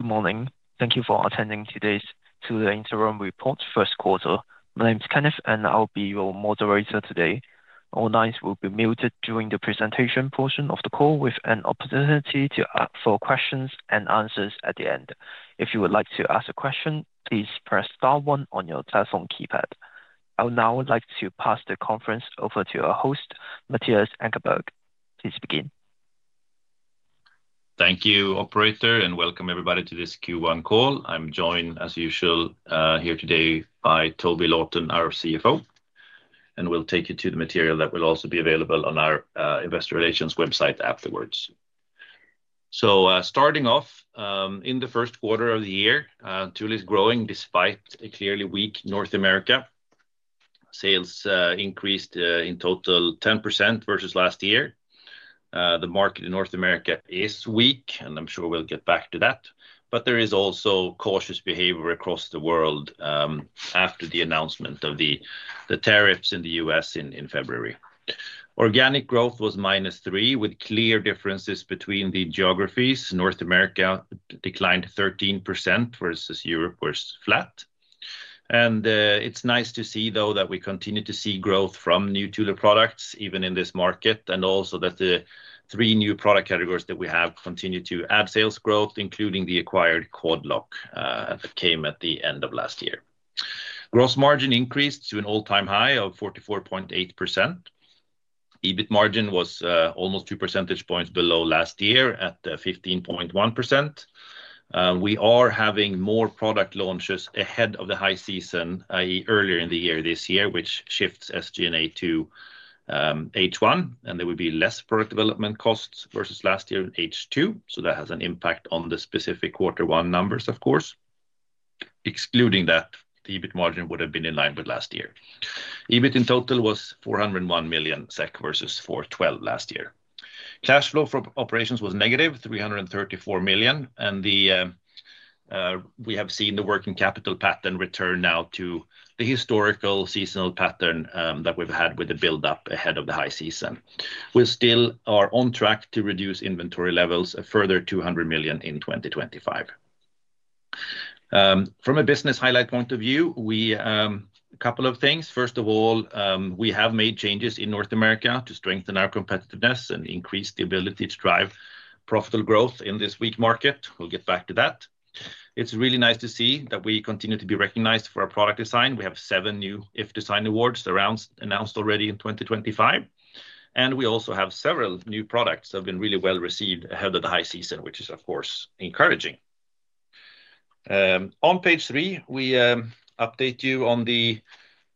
Good morning. Thank you for attending today's Thule Interim Report First Quarter. My name's Kenneth, and I'll be your moderator today. All lines will be muted during the presentation portion of the call, with an opportunity to ask for questions and answers at the end. If you would like to ask a question, please press star one on your telephone keypad. I would now like to pass the conference over to our host, Mattias Ankarberg. Please begin. Thank you, Operator, and welcome everybody to this Q1 call. I'm joined, as usual, here today by Toby Lawton, our CFO, and we'll take you to the material that will also be available on our investor relations website afterwards. Starting off, in the first quarter of the year, Thule is growing despite a clearly weak North America. Sales increased in total 10% versus last year. The market in North America is weak, and I'm sure we'll get back to that. There is also cautious behavior across the world after the announcement of the tariffs in the U.S. in February. Organic growth was -3%, with clear differences between the geographies. North America declined 13% versus Europe, which was flat. It is nice to see, though, that we continue to see growth from new Thule products, even in this market, and also that the three new product categories that we have continue to add sales growth, including the acquired Quad Lock that came at the end of last year. Gross margin increased to an all-time high of 44.8%. EBIT margin was almost two percentage points below last year at 15.1%. We are having more product launches ahead of the high season, i.e., earlier in the year this year, which shifts SG&A to H1, and there will be less product development costs versus last year, H2. That has an impact on the specific quarter one numbers, of course. Excluding that, the EBIT margin would have been in line with last year. EBIT in total was 401 million SEK versus 412 million last year. Cash flow for operations was negative, 334 million, and we have seen the working capital pattern return now to the historical seasonal pattern that we've had with the build-up ahead of the high season. We still are on track to reduce inventory levels further 200 million in 2025. From a business highlight point of view, a couple of things. First of all, we have made changes in North America to strengthen our competitiveness and increase the ability to drive profitable growth in this weak market. We'll get back to that. It's really nice to see that we continue to be recognized for our product design. We have seven new iF Design Awards announced already in 2025, and we also have several new products that have been really well received ahead of the high season, which is, of course, encouraging. On page three, we update you on the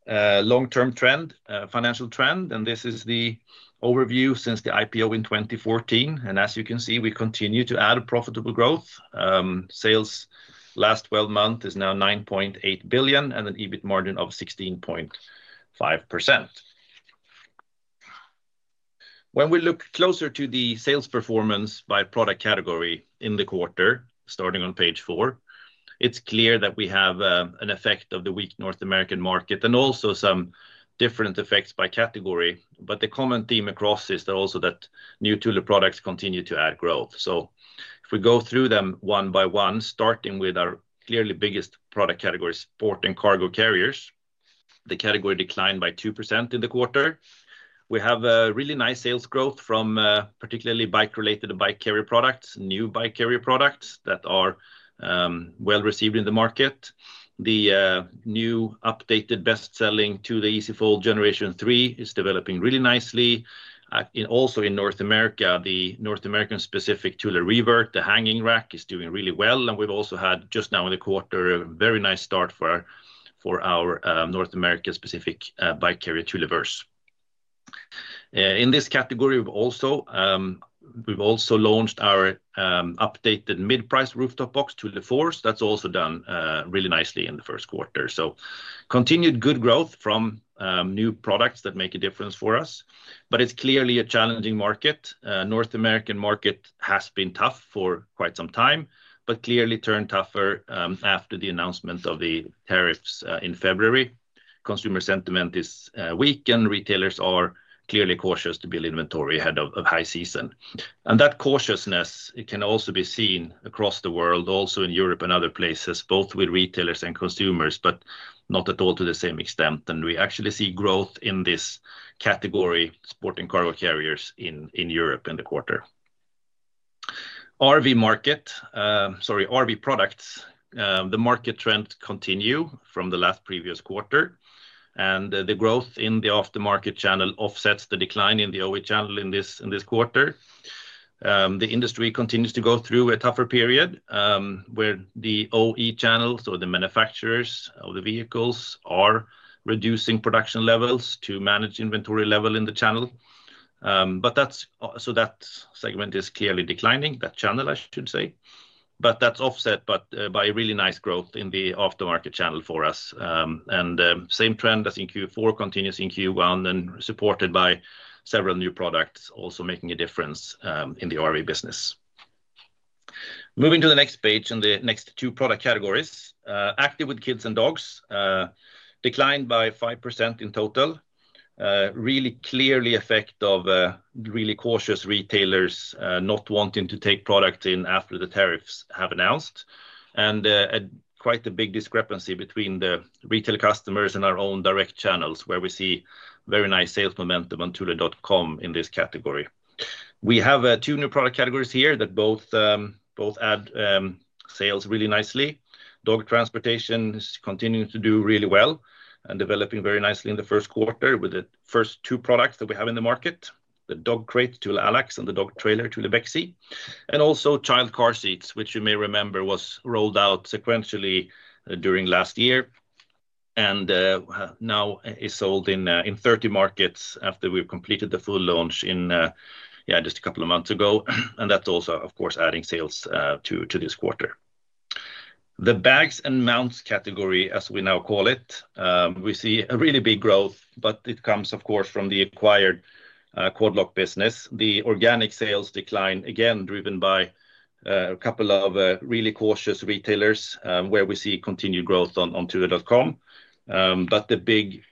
long-term trend, financial trend, and this is the overview since the IPO in 2014. As you can see, we continue to add profitable growth. Sales last 12 months is now 9.8 billion and an EBIT margin of 16.5%. When we look closer to the sales performance by product category in the quarter, starting on page four, it's clear that we have an effect of the weak North American market and also some different effects by category. The common theme across is also that new Thule products continue to add growth. If we go through them one by one, starting with our clearly biggest product category, Sport and Cargo Carriers, the category declined by 2% in the quarter. We have really nice sales growth from particularly bike-related bike carrier products, new bike carrier products that are well received in the market. The new updated best-selling Thule EasyFold Generation 3 is developing really nicely. Also in North America, the North America-specific Thule ReVibe, the hanging rack, is doing really well. We have also had just now in the quarter a very nice start for our North America-specific bike carrier Thule Verse. In this category, we have also launched our updated mid-price rooftop box, Thule Force. That has also done really nicely in the first quarter. Continued good growth from new products that make a difference for us. It is clearly a challenging market. North American market has been tough for quite some time, but clearly turned tougher after the announcement of the tariffs in February. Consumer sentiment is weak, and retailers are clearly cautious to build inventory ahead of high season. That cautiousness can also be seen across the world, also in Europe and other places, both with retailers and consumers, but not at all to the same extent. We actually see growth in this category, Sport and Cargo Carriers, in Europe in the quarter. RV Products, the market trends continue from the last previous quarter, and the growth in the aftermarket channel offsets the decline in the OE channel in this quarter. The industry continues to go through a tougher period where the OE channels, or the manufacturers of the vehicles, are reducing production levels to manage inventory level in the channel. That segment is clearly declining, that channel, I should say. That is offset by really nice growth in the aftermarket channel for us. The same trend as in Q4 continues in Q1 and is supported by several new products also making a difference in the RV business. Moving to the next page on the next two product categories, Active with Kids and Dogs declined by 5% in total, really clearly an effect of really cautious retailers not wanting to take products in after the tariffs have been announced. There is quite a big discrepancy between the retail customers and our own direct channels where we see very nice sales momentum on thule.com in this category. We have two new product categories here that both add sales really nicely. Dog transportation is continuing to do really well and developing very nicely in the first quarter with the first two products that we have in the market, the dog crate, Thule Allax, and the dog trailer, Thule Bexy. Also, child car seats, which you may remember was rolled out sequentially during last year and now is sold in 30 markets after we completed the full launch just a couple of months ago. That is also, of course, adding sales to this quarter. The bags and mounts category, as we now call it, we see a really big growth, but it comes, of course, from the acquired Quad Lock business. The organic sales decline, again, driven by a couple of really cautious retailers where we see continued growth on thule.com. The big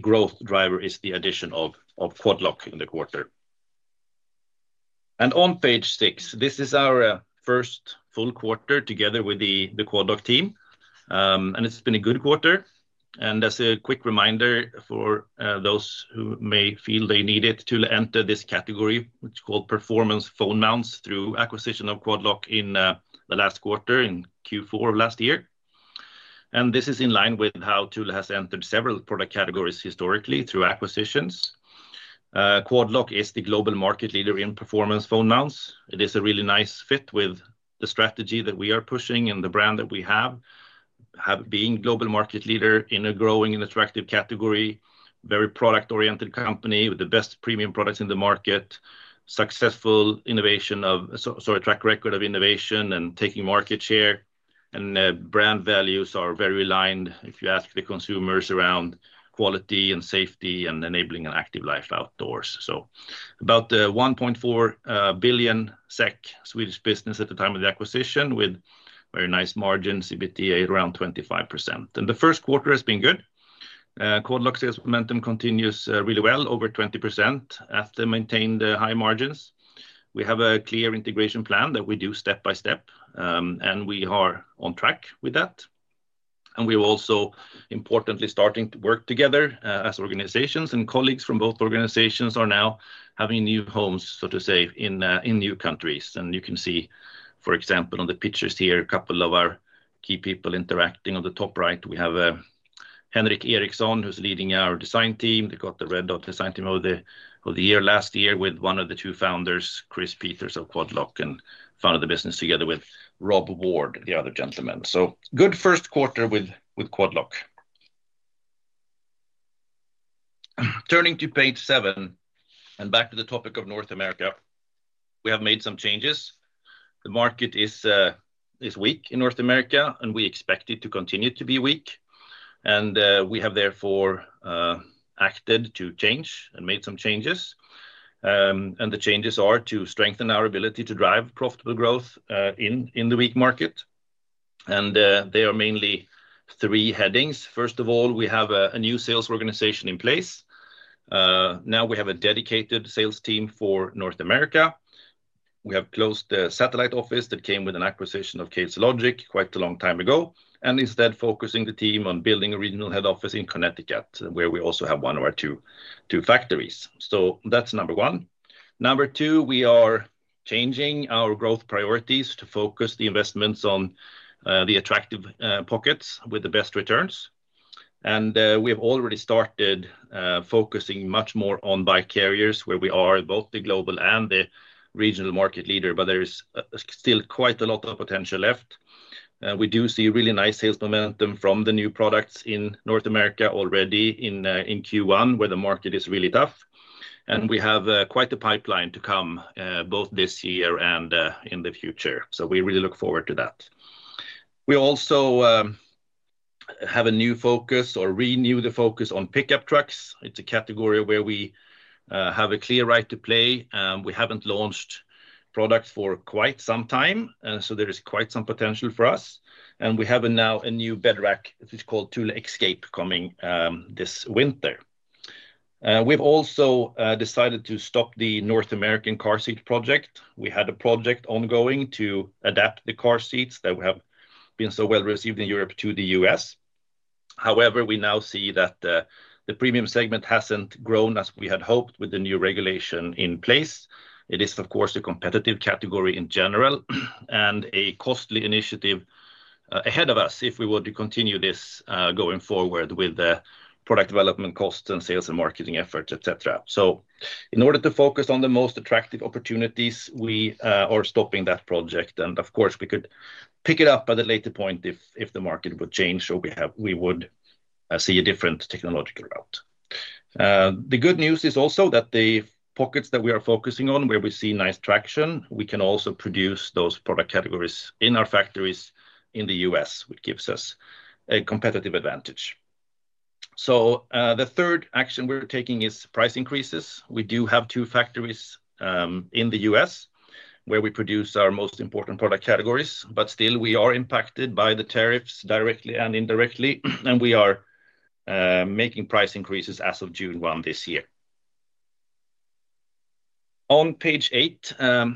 growth driver is the addition of Quad Lock in the quarter. On page six, this is our first full quarter together with the Quad Lock team, and it's been a good quarter. As a quick reminder for those who may feel they need it to enter this category, it's called performance phone mounts through acquisition of Quad Lock in the last quarter in Q4 of last year. This is in line with how Thule has entered several product categories historically through acquisitions. Quad Lock is the global market leader in performance phone mounts. It is a really nice fit with the strategy that we are pushing and the brand that we have, being global market leader in a growing and attractive category, very product-oriented company with the best premium products in the market, successful track record of innovation and taking market share. Brand values are very aligned if you ask the consumers around quality and safety and enabling an active life outdoors. About 1.4 billion SEK Swedish business at the time of the acquisition with very nice margins, EBITDA around 25%. The first quarter has been good. Quad Lock sales momentum continues really well, over 20% after maintained high margins. We have a clear integration plan that we do step by step, and we are on track with that. We are also importantly starting to work together as organizations, and colleagues from both organizations are now having new homes, so to say, in new countries. You can see, for example, on the pictures here, a couple of our key people interacting on the top right. We have Henrik Eriksson, who's leading our design team. They got the Red Dot Design Team of the Year last year with one of the two founders, Chris Peters of Quad Lock, who founded the business together with Rob Ward, the other gentleman. Good first quarter with Quadlock. Turning to page seven and back to the topic of North America, we have made some changes. The market is weak in North America, and we expect it to continue to be weak. We have therefore acted to change and made some changes. The changes are to strengthen our ability to drive profitable growth in the weak market. They are mainly three headings. First of all, we have a new sales organization in place. Now we have a dedicated sales team for North America. We have closed the satellite office that came with an acquisition of Case Logic quite a long time ago, and instead focusing the team on building a regional head office in Connecticut, where we also have one of our two factories. That is number one. Number two, we are changing our growth priorities to focus the investments on the attractive pockets with the best returns. We have already started focusing much more on bike carriers where we are both the global and the regional market leader, but there is still quite a lot of potential left. We do see really nice sales momentum from the new products in North America already in Q1, where the market is really tough. We have quite a pipeline to come both this year and in the future. We really look forward to that. We also have a new focus or renew the focus on pickup trucks. It is a category where we have a clear right to play. We have not launched products for quite some time, and there is quite some potential for us. We have now a new bed rack. It's called Thule Escape coming this winter. We have also decided to stop the North American car seat project. We had a project ongoing to adapt the car seats that have been so well received in Europe to the U.S. However, we now see that the premium segment has not grown as we had hoped with the new regulation in place. It is, of course, a competitive category in general and a costly initiative ahead of us if we were to continue this going forward with the product development costs and sales and marketing efforts, etc. In order to focus on the most attractive opportunities, we are stopping that project. Of course, we could pick it up at a later point if the market would change or we would see a different technological route. The good news is also that the pockets that we are focusing on, where we see nice traction, we can also produce those product categories in our factories in the U.S., which gives us a competitive advantage. The third action we are taking is price increases. We do have two factories in the U.S. where we produce our most important product categories, but still we are impacted by the tariffs directly and indirectly, and we are making price increases as of June one this year. On page eight, I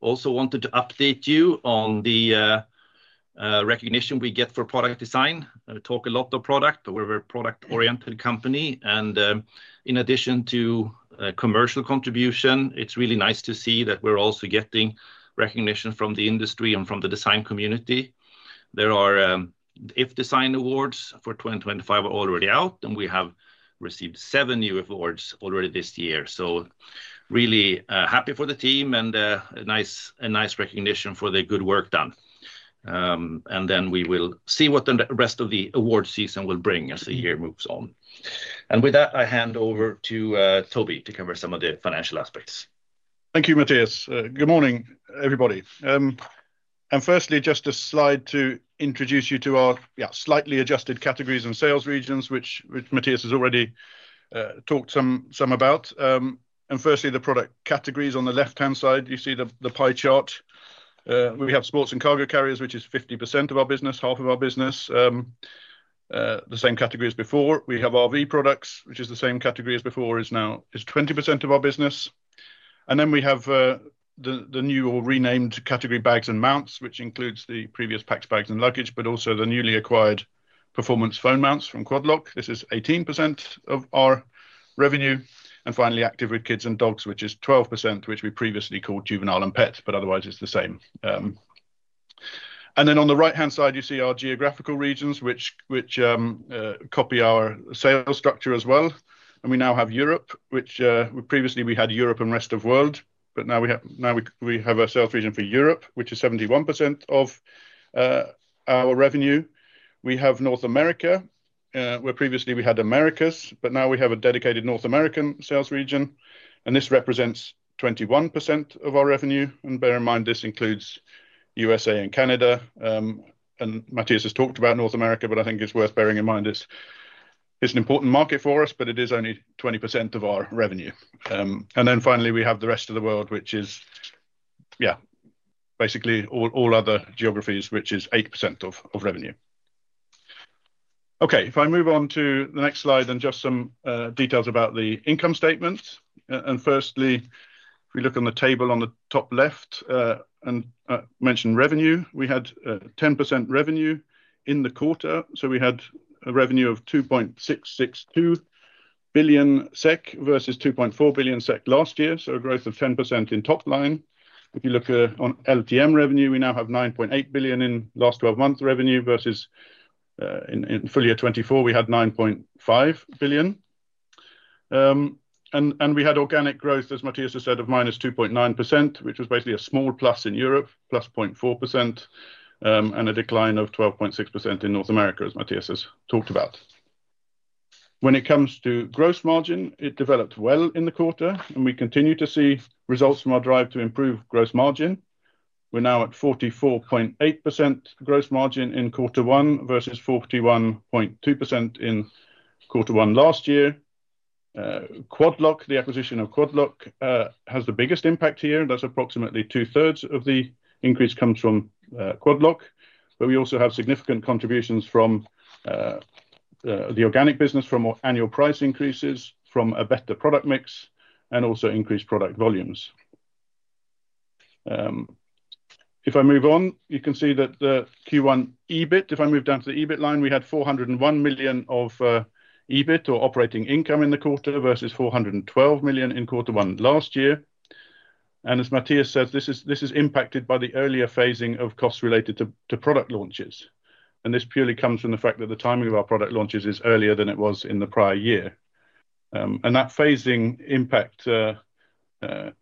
also wanted to update you on the recognition we get for product design. We talk a lot of product, but we are a product-oriented company. In addition to commercial contribution, it is really nice to see that we are also getting recognition from the industry and from the design community. There are iF Design Awards for 2025 already out, and we have received seven new awards already this year. Really happy for the team and a nice recognition for the good work done. We will see what the rest of the award season will bring as the year moves on. With that, I hand over to Toby to cover some of the financial aspects. Thank you, Mattias. Good morning, everybody. Firstly, just a slide to introduce you to our slightly adjusted categories and sales regions, which Mattias has already talked some about. Firstly, the product categories on the left-hand side, you see the pie chart. We have Sport and Cargo Carriers, which is 50% of our business, half of our business. The same category as before. We have RV Products, which is the same category as before, is now 20% of our business. We have the new or renamed category bags and mounts, which includes the previous packs, bags, and luggage, but also the newly acquired performance phone mounts from Quad Lock. This is 18% of our revenue. Finally, Active with Kids and Dogs, which is 12%, which we previously called juvenile and pets, but otherwise it is the same. On the right-hand side, you see our geographical regions, which copy our sales structure as well. We now have Europe, which previously we had Europe and rest of world, but now we have a sales region for Europe, which is 71% of our revenue. We have North America, where previously we had Americas, but now we have a dedicated North American sales region. This represents 21% of our revenue. Bear in mind, this includes USA and Canada. Mattias has talked about North America, but I think it's worth bearing in mind it's an important market for us, but it is only 21% of our revenue. Finally, we have the rest of the world, which is, yeah, basically all other geographies, which is 8% of revenue. Okay, if I move on to the next slide and just some details about the income statements. Firstly, if we look on the table on the top left and mention revenue, we had 10% revenue in the quarter. We had a revenue of 2.662 billion SEK versus 2.4 billion SEK last year, so a growth of 10% in top line. If you look on LTM revenue, we now have 9.8 billion in last 12 months revenue versus in full year 2024, we had 9.5 billion. We had organic growth, as Mattias has said, of -2.9%, which was basically a small plus in Europe, +0.4%, and a decline of 12.6% in North America, as Mattias has talked about. When it comes to gross margin, it developed well in the quarter, and we continue to see results from our drive to improve gross margin. We are now at 44.8% gross margin in quarter one versus 41.2% in quarter one last year. Quad Lock, the acquisition of Quad Lock, has the biggest impact here, and that is approximately two-thirds of the increase comes from Quad Lock. We also have significant contributions from the organic business, from annual price increases, from a better product mix, and also increased product volumes. If I move on, you can see that the Q1 EBIT, if I move down to the EBIT line, we had 401 million of EBIT or operating income in the quarter versus 412 million in quarter one last year. As Mattias says, this is impacted by the earlier phasing of costs related to product launches. This purely comes from the fact that the timing of our product launches is earlier than it was in the prior year. That phasing impact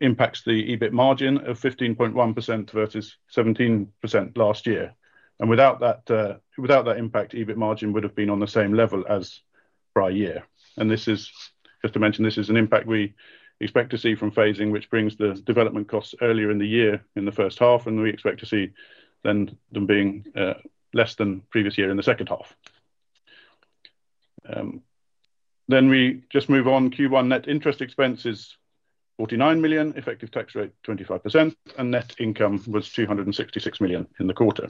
impacts the EBIT margin of 15.1% versus 17% last year. Without that impact, EBIT margin would have been on the same level as prior year. This is, just to mention, this is an impact we expect to see from phasing, which brings the development costs earlier in the year in the first half, and we expect to see them being less than previous year in the second half. We just move on. Q1 net interest expenses, 49 million, effective tax rate 25%, and net income was 266 million in the quarter.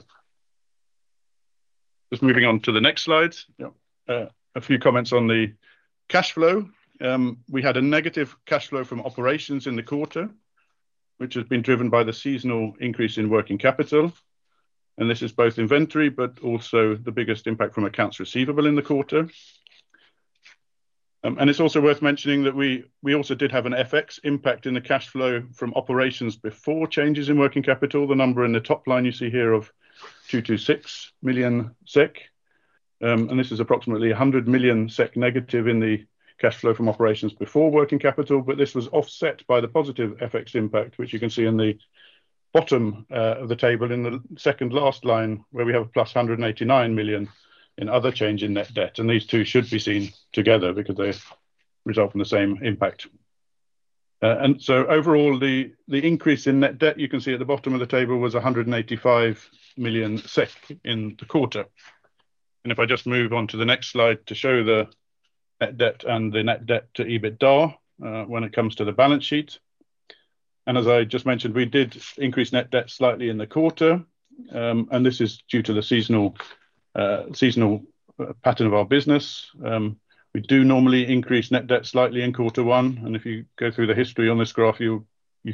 Just moving on to the next slide. A few comments on the cash flow. We had a negative cash flow from operations in the quarter, which has been driven by the seasonal increase in working capital. This is both inventory, but also the biggest impact from accounts receivable in the quarter. It is also worth mentioning that we also did have an FX impact in the cash flow from operations before changes in working capital. The number in the top line you see here of 226 million SEK. This is approximately 100 million SEK negative in the cash flow from operations before working capital, but this was offset by the positive FX impact, which you can see in the bottom of the table in the second last line where we have plus 189 million in other change in net debt. These two should be seen together because they result from the same impact. Overall, the increase in net debt you can see at the bottom of the table was 185 million SEK in the quarter. If I just move on to the next slide to show the net debt and the net debt to EBITDA when it comes to the balance sheet. As I just mentioned, we did increase net debt slightly in the quarter, and this is due to the seasonal pattern of our business. We do normally increase net debt slightly in quarter one. If you go through the history on this graph, you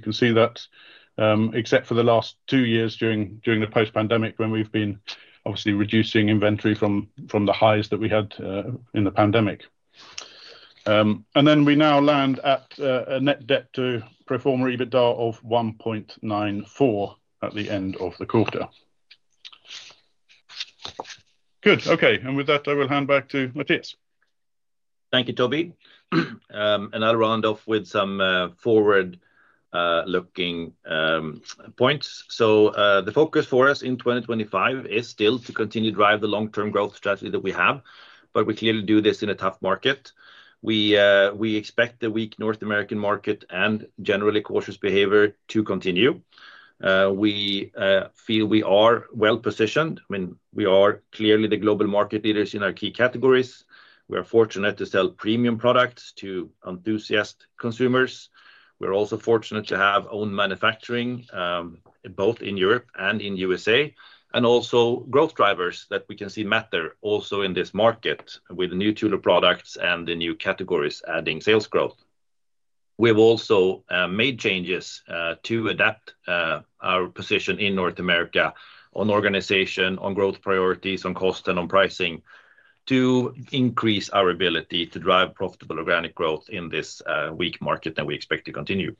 can see that except for the last two years during the post-pandemic when we have been obviously reducing inventory from the highs that we had in the pandemic. We now land at a net debt to pro forma EBITDA of 1.94 at the end of the quarter. Good. Okay. With that, I will hand back to Mattias. Thank you, Toby. I will round off with some forward-looking points. The focus for us in 2025 is still to continue to drive the long-term growth strategy that we have, but we clearly do this in a tough market. We expect the weak North American market and generally cautious behavior to continue. We feel we are well positioned. I mean, we are clearly the global market leaders in our key categories. We are fortunate to sell premium products to enthusiast consumers. We're also fortunate to have own manufacturing both in Europe and in the USA, and also growth drivers that we can see matter also in this market with the new Thule products and the new categories adding sales growth. We've also made changes to adapt our position in North America on organization, on growth priorities, on cost, and on pricing to increase our ability to drive profitable organic growth in this weak market that we expect to continue.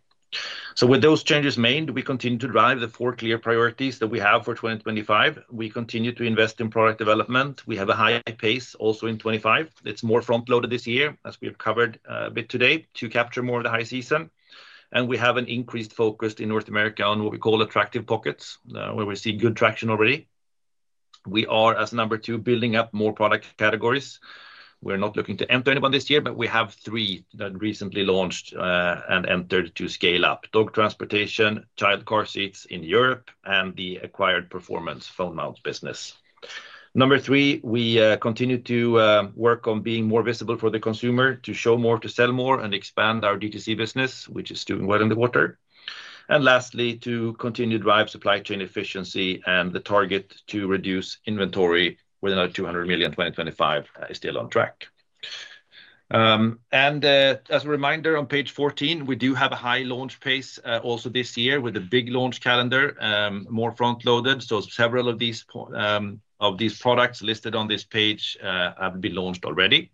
With those changes made, we continue to drive the four clear priorities that we have for 2025. We continue to invest in product development. We have a high pace also in 2025. It is more front-loaded this year, as we have covered a bit today, to capture more of the high season. We have an increased focus in North America on what we call attractive pockets, where we see good traction already. We are, as number two, building up more product categories. We are not looking to enter any one this year, but we have three that recently launched and entered to scale up: dog transportation, child car seats in Europe, and the acquired performance phone mounts business. Number three, we continue to work on being more visible for the consumer, to show more, to sell more, and expand our DTC business, which is doing well in the quarter. Lastly, to continue to drive supply chain efficiency and the target to reduce inventory with another 200 million in 2025 is still on track. As a reminder, on page 14, we do have a high launch pace also this year with a big launch calendar, more front-loaded. Several of these products listed on this page have been launched already.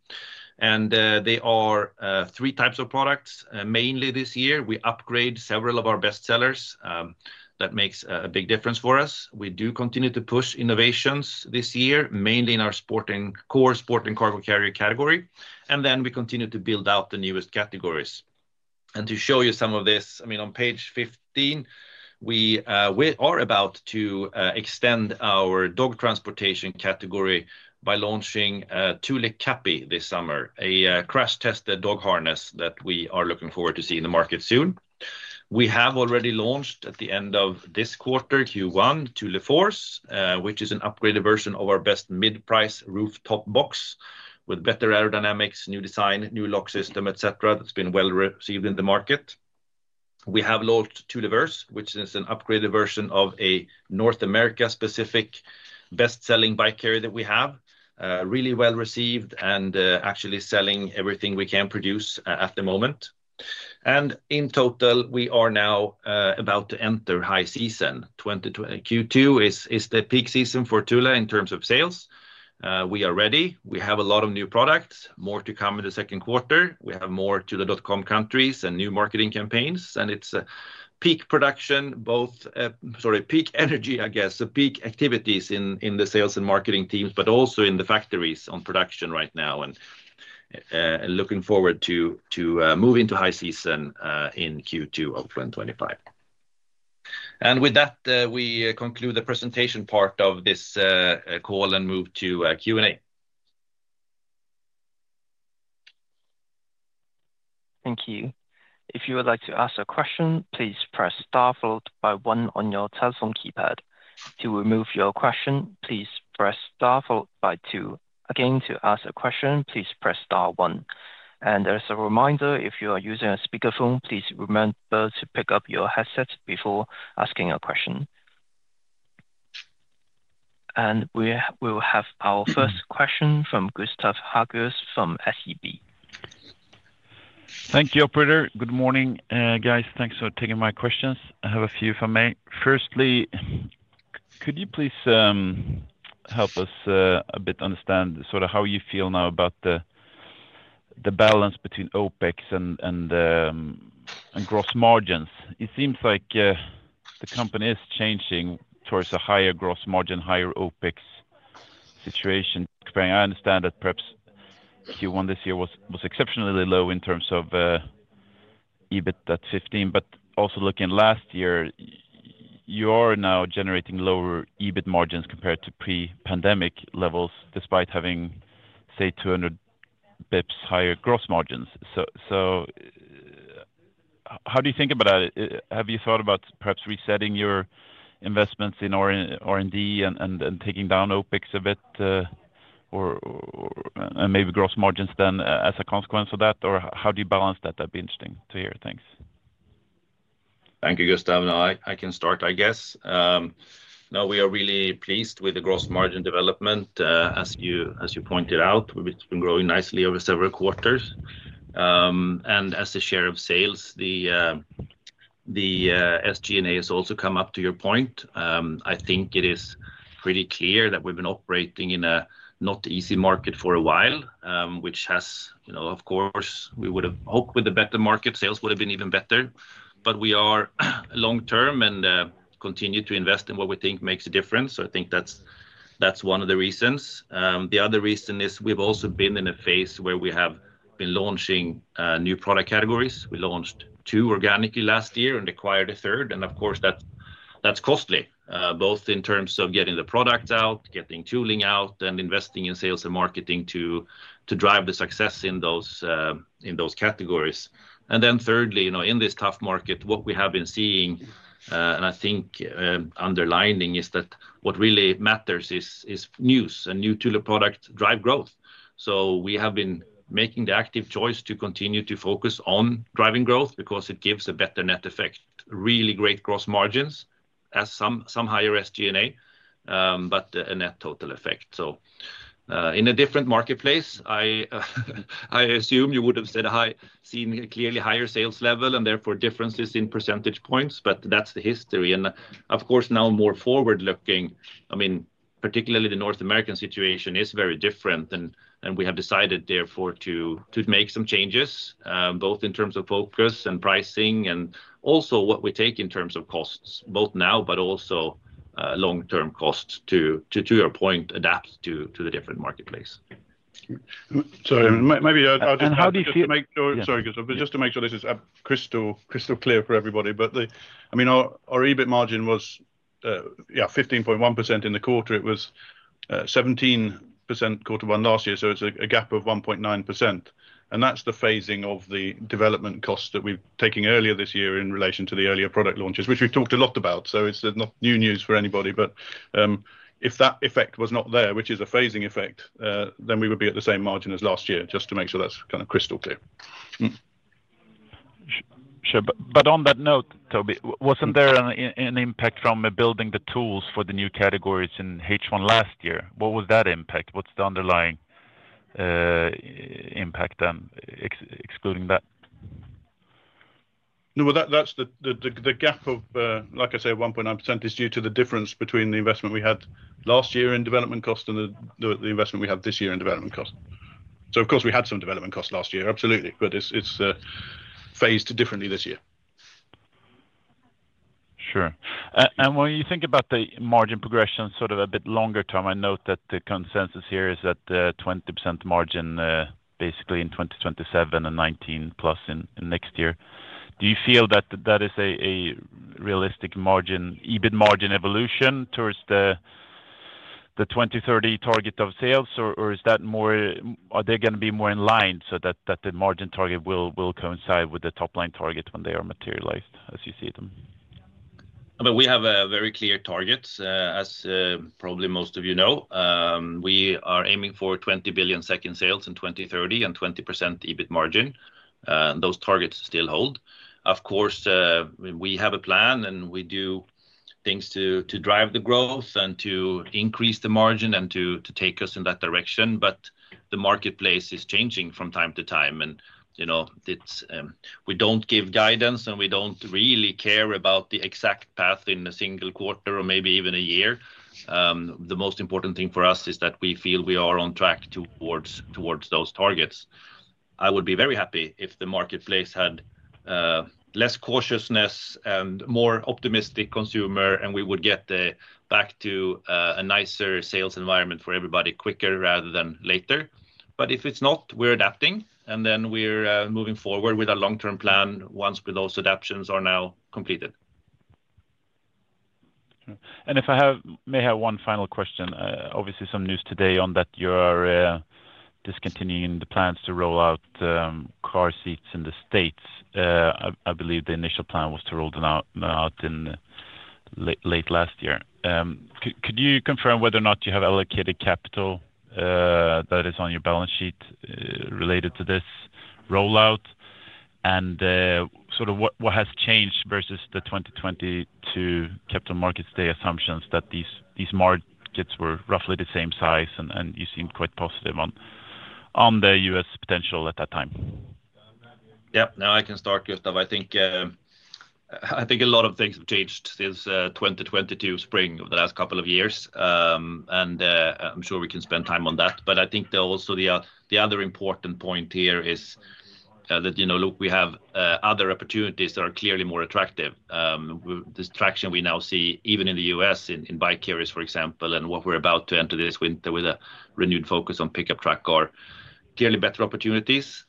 They are three types of products. Mainly this year, we upgrade several of our best sellers. That makes a big difference for us. We do continue to push innovations this year, mainly in our core sport and cargo carrier category. We continue to build out the newest categories. To show you some of this, I mean, on page 15, we are about to extend our dog transportation category by launching Thule Cappy this summer, a crash-tested dog harness that we are looking forward to seeing in the market soon. We have already launched at the end of this quarter, Q1, Thule Force, which is an upgraded version of our best mid-price rooftop box with better aerodynamics, new design, new lock system, etc. That's been well received in the market. We have launched Thule Verse, which is an upgraded version of a North America-specific best-selling bike carrier that we have, really well received and actually selling everything we can produce at the moment. In total, we are now about to enter high season. Q2 is the peak season for Thule in terms of sales. We are ready. We have a lot of new products, more to come in the second quarter. We have more Thule.com countries and new marketing campaigns. It is a peak production, both, sorry, peak energy, I guess, so peak activities in the sales and marketing teams, but also in the factories on production right now and looking forward to moving to high season in Q2 of 2025. With that, we conclude the presentation part of this call and move to Q&A. Thank you. If you would like to ask a question, please press star followed by one on your telephone keypad. To remove your question, please press star followed by two. Again, to ask a question, please press star one. As a reminder, if you are using a speakerphone, please remember to pick up your headset before asking a question. We will have our first question from Gustav Hagéus from SEB. Thank you, Operator. Good morning, guys. Thanks for taking my questions. I have a few, if I may. Firstly, could you please help us a bit understand sort of how you feel now about the balance between OpEx and gross margins? It seems like the company is changing towards a higher gross margin, higher OpEx situation. I understand that perhaps Q1 this year was exceptionally low in terms of EBITDA 15, but also looking last year, you are now generating lower EBIT margins compared to pre-pandemic levels despite having, say, 200 basis points higher gross margins. How do you think about that? Have you thought about perhaps resetting your investments in R&D and taking down OpEx a bit and maybe gross margins then as a consequence of that? How do you balance that? That would be interesting to hear. Thanks. Thank you, Gustav. I can start, I guess. No, we are really pleased with the gross margin development, as you pointed out. It's been growing nicely over several quarters. As a share of sales, the SG&A has also come up to your point. I think it is pretty clear that we've been operating in a not easy market for a while, which has, of course, we would have hoped with a better market, sales would have been even better. We are long-term and continue to invest in what we think makes a difference. I think that's one of the reasons. The other reason is we've also been in a phase where we have been launching new product categories. We launched two organically last year and acquired a third. Of course, that's costly, both in terms of getting the products out, getting tooling out, and investing in sales and marketing to drive the success in those categories. Thirdly, in this tough market, what we have been seeing, and I think underlining is that what really matters is news and new Thule products drive growth. We have been making the active choice to continue to focus on driving growth because it gives a better net effect, really great gross margins as some higher SG&A, but a net total effect. In a different marketplace, I assume you would have seen clearly higher sales level and therefore differences in percentage points, but that's the history. Of course, now more forward-looking, I mean, particularly the North American situation is very different, and we have decided therefore to make some changes, both in terms of focus and pricing and also what we take in terms of costs, both now, but also long-term costs to, to your point, adapt to the different marketplace. Sorry, maybe I'll just make sure—sorry, Gustav, but just to make sure this is crystal clear for everybody. I mean, our EBIT margin was, yeah, 15.1% in the quarter. It was 17% quarter one last year. It is a gap of 1.9%. That is the phasing of the development costs that we're taking earlier this year in relation to the earlier product launches, which we've talked a lot about. It is not new news for anybody. If that effect was not there, which is a phasing effect, then we would be at the same margin as last year, just to make sure that's kind of crystal clear. Sure. On that note, Toby, was not there an impact from building the tools for the new categories in H1 last year? What was that impact? What's the underlying impact then, excluding that? No, that's the gap of, like I say, 1.9% is due to the difference between the investment we had last year in development costs and the investment we have this year in development costs. Of course, we had some development costs last year, absolutely. It is phased differently this year. Sure. When you think about the margin progression sort of a bit longer term, I note that the consensus here is that 20% margin basically in 2027 and 19 plus in next year. Do you feel that that is a realistic margin, EBIT margin evolution towards the 2030 target of sales, or is that more—are they going to be more in line so that the margin target will coincide with the top line target when they are materialized as you see them? We have a very clear target, as probably most of you know. We are aiming for 20 billion sales in 2030 and 20% EBIT margin. Those targets still hold. Of course, we have a plan, and we do things to drive the growth and to increase the margin and to take us in that direction. The marketplace is changing from time to time. We do not give guidance, and we do not really care about the exact path in a single quarter or maybe even a year. The most important thing for us is that we feel we are on track towards those targets. I would be very happy if the marketplace had less cautiousness and more optimistic consumers, and we would get back to a nicer sales environment for everybody quicker rather than later. If it is not, we are adapting, and then we are moving forward with a long-term plan once those adaptations are now completed. If I may have one final question, obviously some news today on that you're discontinuing the plans to roll out car seats in the States. I believe the initial plan was to roll them out in late last year. Could you confirm whether or not you have allocated capital that is on your balance sheet related to this rollout? What has changed versus the 2022 capital markets day assumptions that these markets were roughly the same size, and you seemed quite positive on the US potential at that time? Yep. I can start, Gustav. I think a lot of things have changed since 2022 spring of the last couple of years. I am sure we can spend time on that. I think also the other important point here is that we have other opportunities that are clearly more attractive. This traction we now see, even in the U.S. in bike carriers, for example, and what we're about to enter this winter with a renewed focus on pickup truck are clearly better opportunities.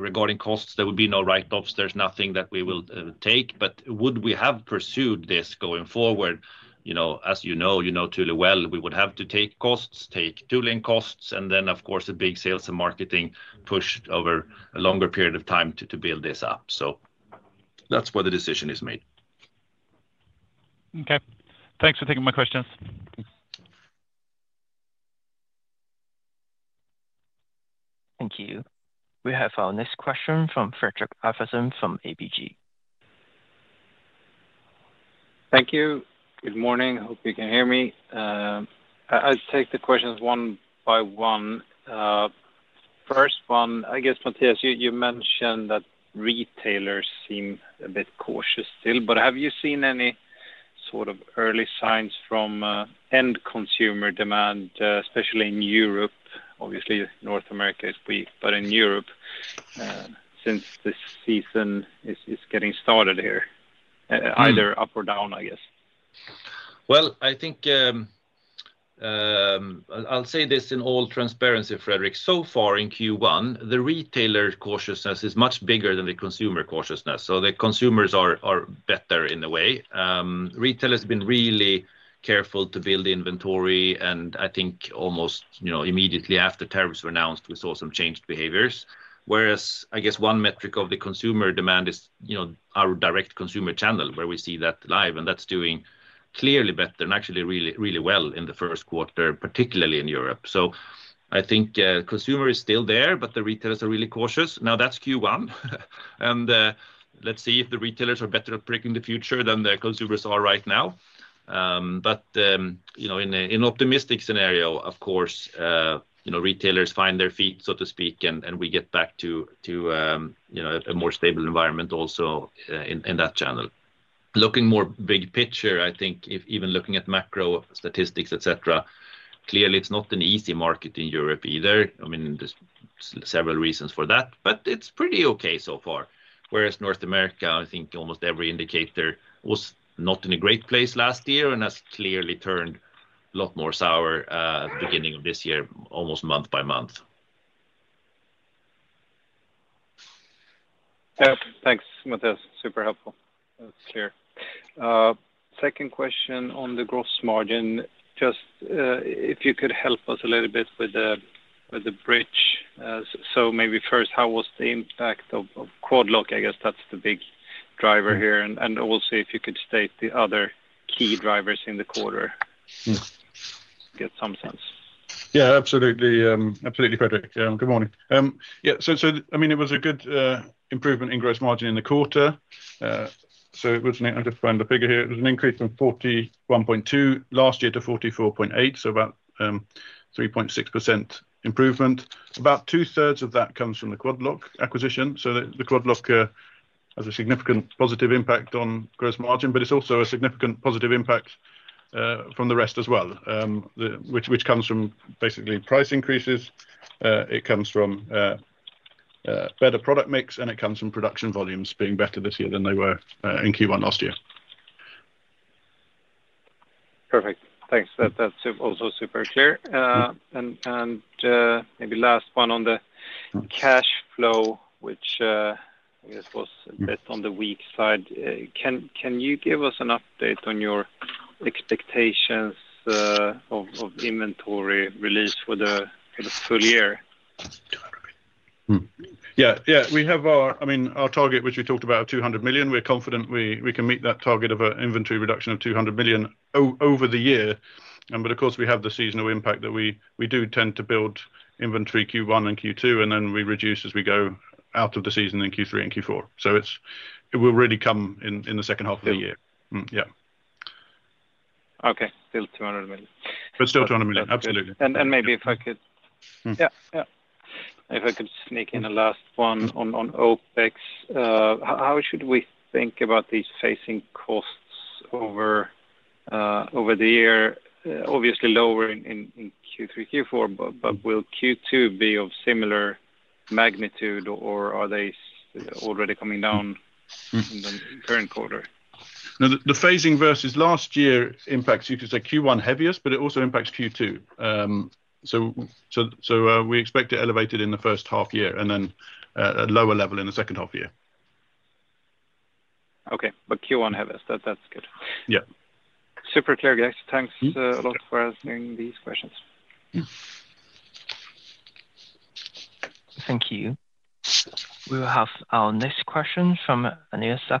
Regarding costs, there will be no write-offs. There's nothing that we will take. Would we have pursued this going forward? As you know, you know too well, we would have to take costs, take tooling costs, and then, of course, a big sales and marketing push over a longer period of time to build this up. That's where the decision is made. Okay. Thanks for taking my questions. Thank you. We have our next question from Fredrik Ivarsson from ABG. Thank you. Good morning. I hope you can hear me. I'll take the questions one by one. First one, I guess, Mattias, you mentioned that retailers seem a bit cautious still. Have you seen any sort of early signs from end consumer demand, especially in Europe? Obviously, North America is weak, but in Europe, since this season is getting started here, either up or down, I guess. I think I'll say this in all transparency, Fredrik. So far in Q1, the retailer cautiousness is much bigger than the consumer cautiousness. The consumers are better in a way. Retail has been really careful to build inventory. I think almost immediately after tariffs were announced, we saw some changed behaviors. I guess one metric of the consumer demand is our direct consumer channel where we see that live. That is doing clearly better and actually really well in the first quarter, particularly in Europe. I think consumer is still there, but the retailers are really cautious. That is Q1. Let's see if the retailers are better at predicting the future than the consumers are right now. In an optimistic scenario, of course, retailers find their feet, so to speak, and we get back to a more stable environment also in that channel. Looking more big picture, I think, even looking at macro statistics, etc., clearly it's not an easy market in Europe either. I mean, there's several reasons for that, but it's pretty okay so far. Whereas North America, I think almost every indicator was not in a great place last year and has clearly turned a lot more sour at the beginning of this year, almost month by month. Thanks, Mattias. Super helpful. That's clear. Second question on the gross margin. If you could help us a little bit with the bridge. Maybe first, how was the impact of Quadlock? I guess that's the big driver here. Also, if you could state the other key drivers in the quarter to get some sense. Yeah, absolutely. Absolutely, Fredrik. Good morning. Yeah. I mean, it was a good improvement in gross margin in the quarter. I'll just find the figure here. It was an increase from 41.2% last year to 44.8%, so about a 3.6% improvement. About two-thirds of that comes from the Quad Lock acquisition. The Quad Lock has a significant positive impact on gross margin, but there's also a significant positive impact from the rest as well, which comes from basically price increases. It comes from better product mix, and it comes from production volumes being better this year than they were in Q1 last year. Perfect. Thanks. That's also super clear. Maybe last one on the cash flow, which I guess was a bit on the weak side. Can you give us an update on your expectations of inventory release for the full year? Yeah. Yeah. I mean, our target, which we talked about, 200 million, we're confident we can meet that target of an inventory reduction of 200 million over the year. Of course, we have the seasonal impact that we do tend to build inventory Q1 and Q2, and then we reduce as we go out of the season in Q3 and Q4. It will really come in the second half of the year. Yeah. Okay. Still 200 million. Still 200 million. Absolutely. Maybe if I could—yeah, yeah. If I could sneak in a last one on OpEx, how should we think about these phasing costs over the year? Obviously lower in Q3, Q4, but will Q2 be of similar magnitude, or are they already coming down in the current quarter? The phasing versus last year impacts Q1 heaviest, but it also impacts Q2. We expect it elevated in the first half year and then at a lower level in the second half year. Okay. Q1 heaviest. That's good. Yeah. Super clear, guys. Thanks a lot for answering these questions. Thank you. We will have our next question from Agnieszka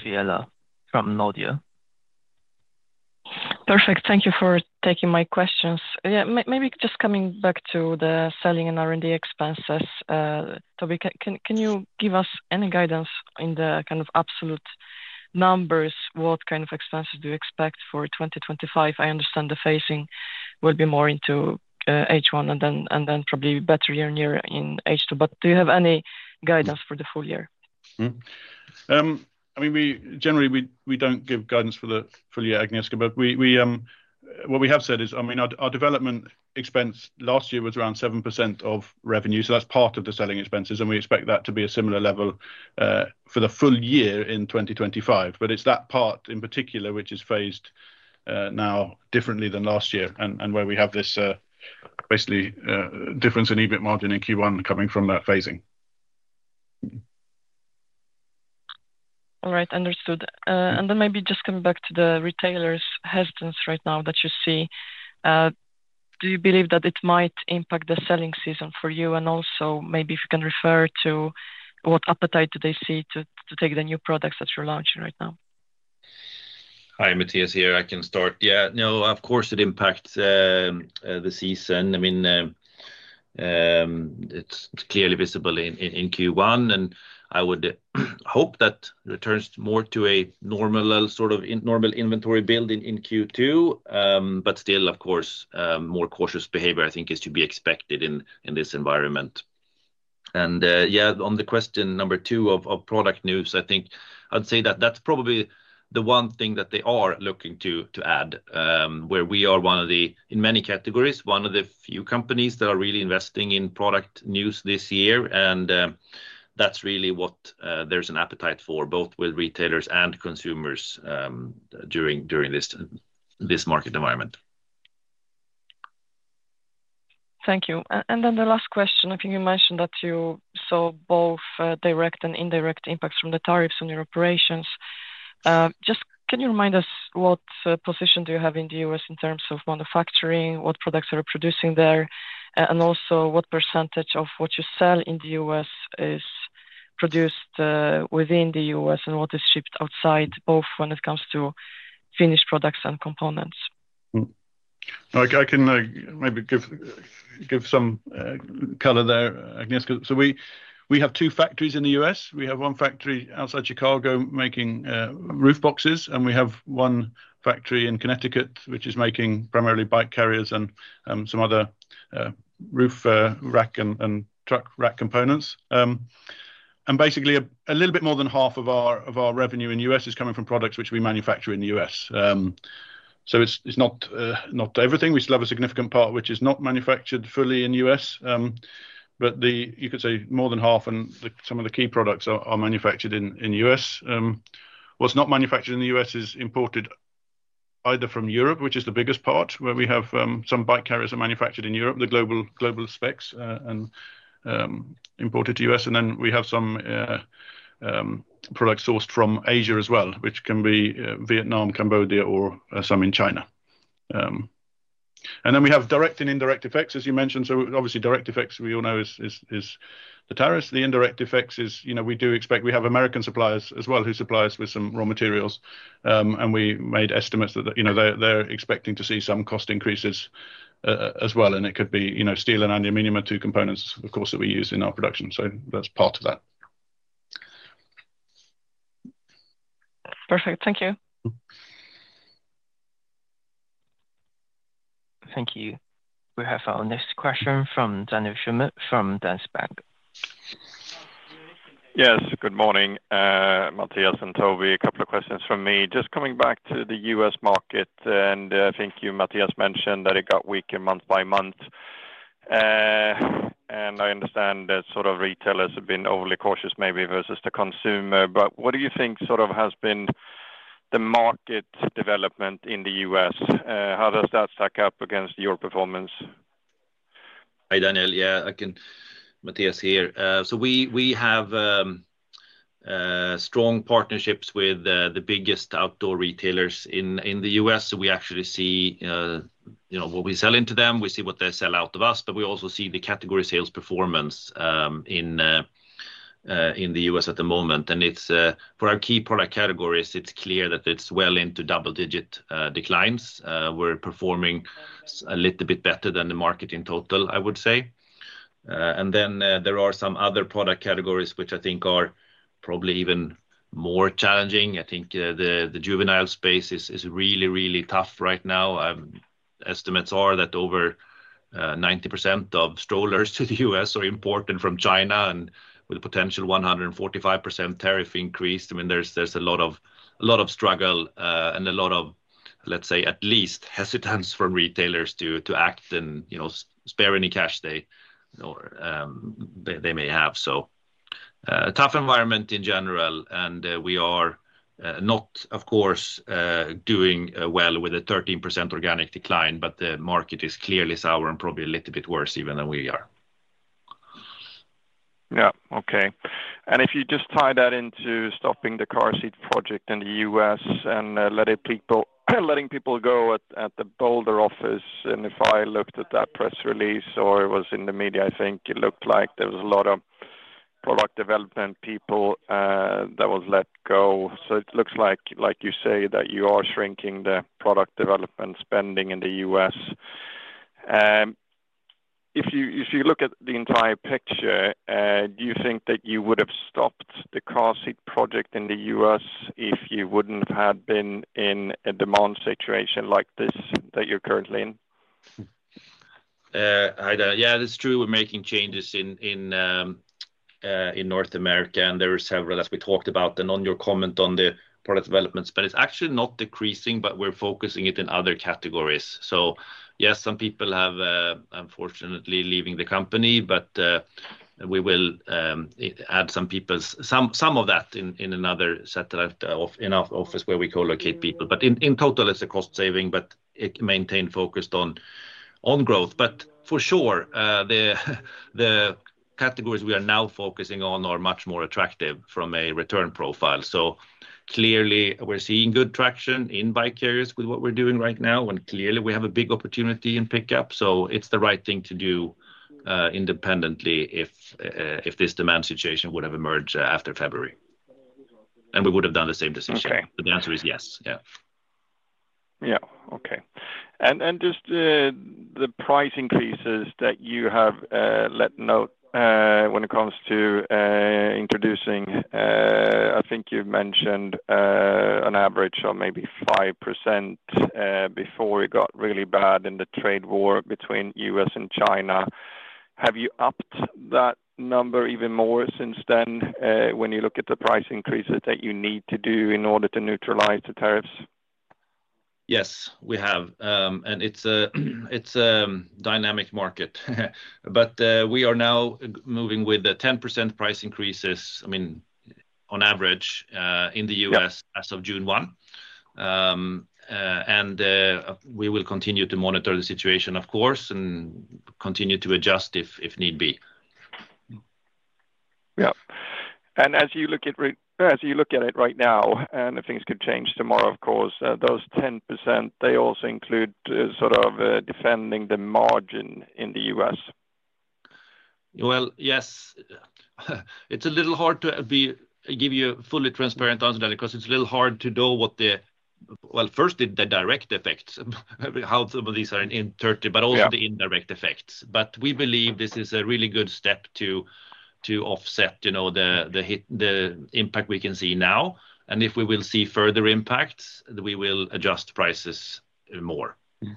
Vilela from Nordea. Perfect. Thank you for taking my questions. Yeah. Maybe just coming back to the selling and R&D expenses. Toby, can you give us any guidance in the kind of absolute numbers? What kind of expenses do you expect for 2025? I understand the phasing will be more into H1 and then probably better year in year in H2. Do you have any guidance for the full year? I mean, generally, we do not give guidance for the full year, Agnieszka, but what we have said is, I mean, our development expense last year was around 7% of revenue. That is part of the selling expenses. We expect that to be a similar level for the full year in 2025. It is that part in particular which is phased now differently than last year and where we have this basically difference in EBIT margin in Q1 coming from that phasing. All right. Understood. Maybe just coming back to the retailers' hesitance right now that you see, do you believe that it might impact the selling season for you? Also, maybe if you can refer to what appetite do they see to take the new products that you are launching right now? Hi, Mattias here. I can start. Yeah. No, of course, it impacts the season. I mean, it's clearly visible in Q1. I would hope that it returns more to a normal sort of normal inventory build in Q2. Still, of course, more cautious behavior, I think, is to be expected in this environment. Yeah, on the question number two of product news, I think I'd say that that's probably the one thing that they are looking to add where we are one of the, in many categories, one of the few companies that are really investing in product news this year. That's really what there's an appetite for, both with retailers and consumers during this market environment. Thank you. The last question, I think you mentioned that you saw both direct and indirect impacts from the tariffs on your operations. Just can you remind us what position do you have in the U.S. in terms of manufacturing, what products are producing there, and also what percentage of what you sell in the U.S. is produced within the U.S. and what is shipped outside, both when it comes to finished products and components? I can maybe give some color there, Agnieszka. We have two factories in the U.S. We have one factory outside Chicago making roof boxes, and we have one factory in Connecticut which is making primarily bike carriers and some other roof rack and truck rack components. Basically, a little bit more than half of our revenue in the U.S. is coming from products which we manufacture in the U.S. It is not everything. We still have a significant part which is not manufactured fully in the U.S. You could say more than half and some of the key products are manufactured in the U.S. What's not manufactured in the U.S. is imported either from Europe, which is the biggest part, where we have some bike carriers that are manufactured in Europe, the global specs, and imported to the U.S. We have some products sourced from Asia as well, which can be Vietnam, Cambodia, or some in China. We have direct and indirect effects, as you mentioned. Obviously, direct effects, we all know, is the tariffs. The indirect effects is we do expect we have American suppliers as well who supply us with some raw materials. We made estimates that they're expecting to see some cost increases as well. It could be steel and aluminum are two components, of course, that we use in our production. That's part of that. Perfect. Thank you. Thank you. We have our next question from Daniel Schmidt from Danske Bank. Yes. Good morning, Mattias and Toby. A couple of questions from me. Just coming back to the U.S. market, and I think you, Mattias, mentioned that it got weaker month by month. I understand that sort of retailers have been overly cautious maybe versus the consumer. What do you think has been the market development in the U.S.? How does that stack up against your performance? Hi, Daniel. Yeah, Mattias here. We have strong partnerships with the biggest outdoor retailers in the U.S. We actually see what we sell into them. We see what they sell out of us. We also see the category sales performance in the U.S. at the moment. For our key product categories, it's clear that it's well into double-digit declines. We're performing a little bit better than the market in total, I would say. There are some other product categories which I think are probably even more challenging. I think the juvenile space is really, really tough right now. Estimates are that over 90% of strollers to the U.S. are imported from China and with a potential 145% tariff increase. I mean, there's a lot of struggle and a lot of, let's say, at least hesitance from retailers to act and spare any cash they may have. Tough environment in general. We are not, of course, doing well with a 13% organic decline, but the market is clearly sour and probably a little bit worse even than we are. Yeah. Okay. If you just tie that into stopping the car seat project in the U.S. and letting people go at the Boulder office, and if I looked at that press release or it was in the media, I think it looked like there was a lot of product development people that was let go. It looks like, like you say, that you are shrinking the product development spending in the U.S. If you look at the entire picture, do you think that you would have stopped the car seat project in the U.S. if you would not have had been in a demand situation like this that you're currently in? Yeah, that's true. We're making changes in North America, and there are several that we talked about and on your comment on the product development. It's actually not decreasing, but we're focusing it in other categories. Yes, some people have unfortunately leaving the company, but we will add some of that in another set of office where we co-locate people. In total, it's a cost saving, but it maintained focused on growth. For sure, the categories we are now focusing on are much more attractive from a return profile. Clearly, we're seeing good traction in bike carriers with what we're doing right now, and clearly, we have a big opportunity in pickup. It's the right thing to do independently if this demand situation would have emerged after February. We would have done the same decision. The answer is yes. Yeah. Yeah. Okay. Just the price increases that you have let note when it comes to introducing, I think you mentioned an average of maybe 5% before it got really bad in the trade war between U.S. and China. Have you upped that number even more since then when you look at the price increases that you need to do in order to neutralize the tariffs? Yes, we have. It is a dynamic market. We are now moving with 10% price increases, I mean, on average in the U.S. as of June one. We will continue to monitor the situation, of course, and continue to adjust if need be. As you look at it right now, and things could change tomorrow, of course, those 10%, they also include sort of defending the margin in the U.S.? Yes. It is a little hard to give you a fully transparent answer to that because it is a little hard to know what the, first, the direct effects, how some of these are in Turkey, but also the indirect effects. We believe this is a really good step to offset the impact we can see now. If we will see further impacts, we will adjust prices more. Do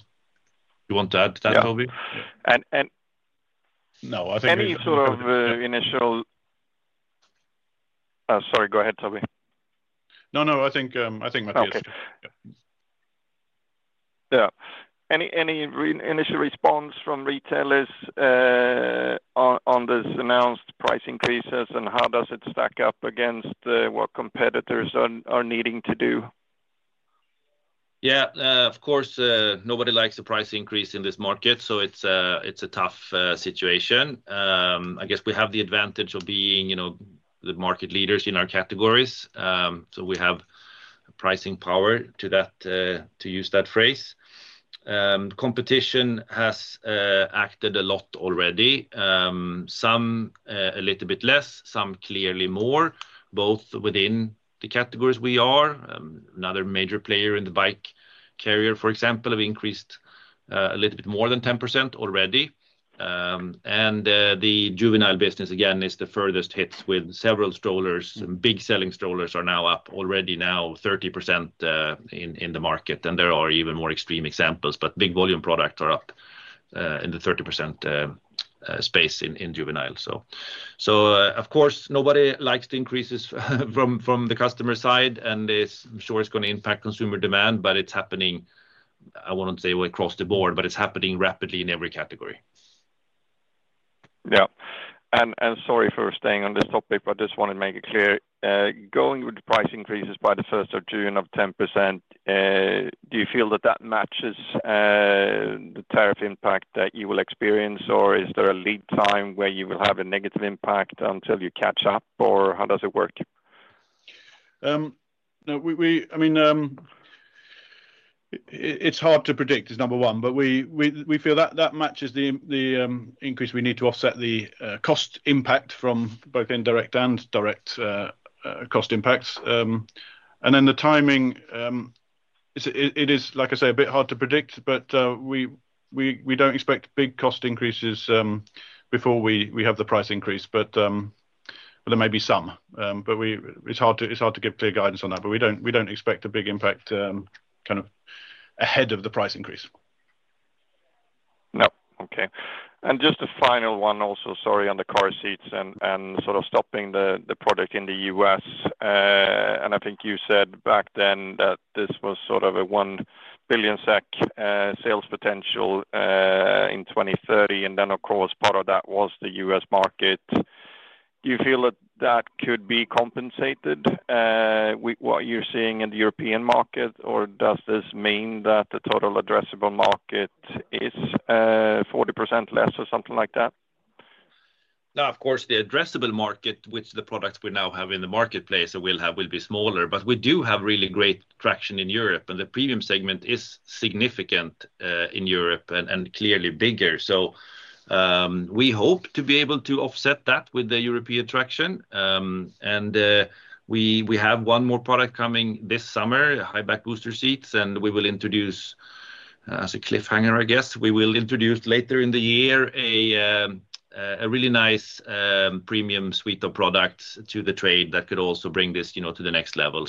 you want to add to that, Toby? Yeah. No, I think any sort of initial—sorry, go ahead, Toby. No, no. I think Mattias. Okay. Yeah. Any initial response from retailers on this announced price increases, and how does it stack up against what competitors are needing to do? Yeah. Of course, nobody likes the price increase in this market. It is a tough situation. I guess we have the advantage of being the market leaders in our categories. We have pricing power, to use that phrase. Competition has acted a lot already. Some a little bit less, some clearly more, both within the categories we are. Another major player in the bike carrier, for example, have increased a little bit more than 10% already. The juvenile business, again, is the furthest hits with several strollers. Big selling strollers are now up already now 30% in the market. There are even more extreme examples, but big volume products are up in the 30% space in juvenile. Of course, nobody likes the increases from the customer side, and I'm sure it's going to impact consumer demand, but it's happening. I wouldn't say across the board, but it's happening rapidly in every category. Yeah. Sorry for staying on this topic, but I just want to make it clear. Going with the price increases by the first of June of 10%, do you feel that that matches the tariff impact that you will experience, or is there a lead time where you will have a negative impact until you catch up, or how does it work? No, I mean, it's hard to predict is number one, but we feel that that matches the increase. We need to offset the cost impact from both indirect and direct cost impacts. Then the timing, it is, like I say, a bit hard to predict, but we don't expect big cost increases before we have the price increase, but there may be some. It's hard to give clear guidance on that. We don't expect a big impact kind of ahead of the price increase. Yeah. Okay. Just a final one also, sorry, on the car seats and sort of stopping the product in the U.S. I think you said back then that this was sort of a one billion SEK sales potential in 2030. Of course, part of that was the U.S. market. Do you feel that that could be compensated with what you're seeing in the European market, or does this mean that the total addressable market is 40% less or something like that? No, of course, the addressable market, which the products we now have in the marketplace will have, will be smaller. We do have really great traction in Europe, and the premium segment is significant in Europe and clearly bigger. We hope to be able to offset that with the European traction. We have one more product coming this summer, high back booster seats, and we will introduce, as a cliffhanger, I guess, we will introduce later in the year a really nice premium suite of products to the trade that could also bring this to the next level.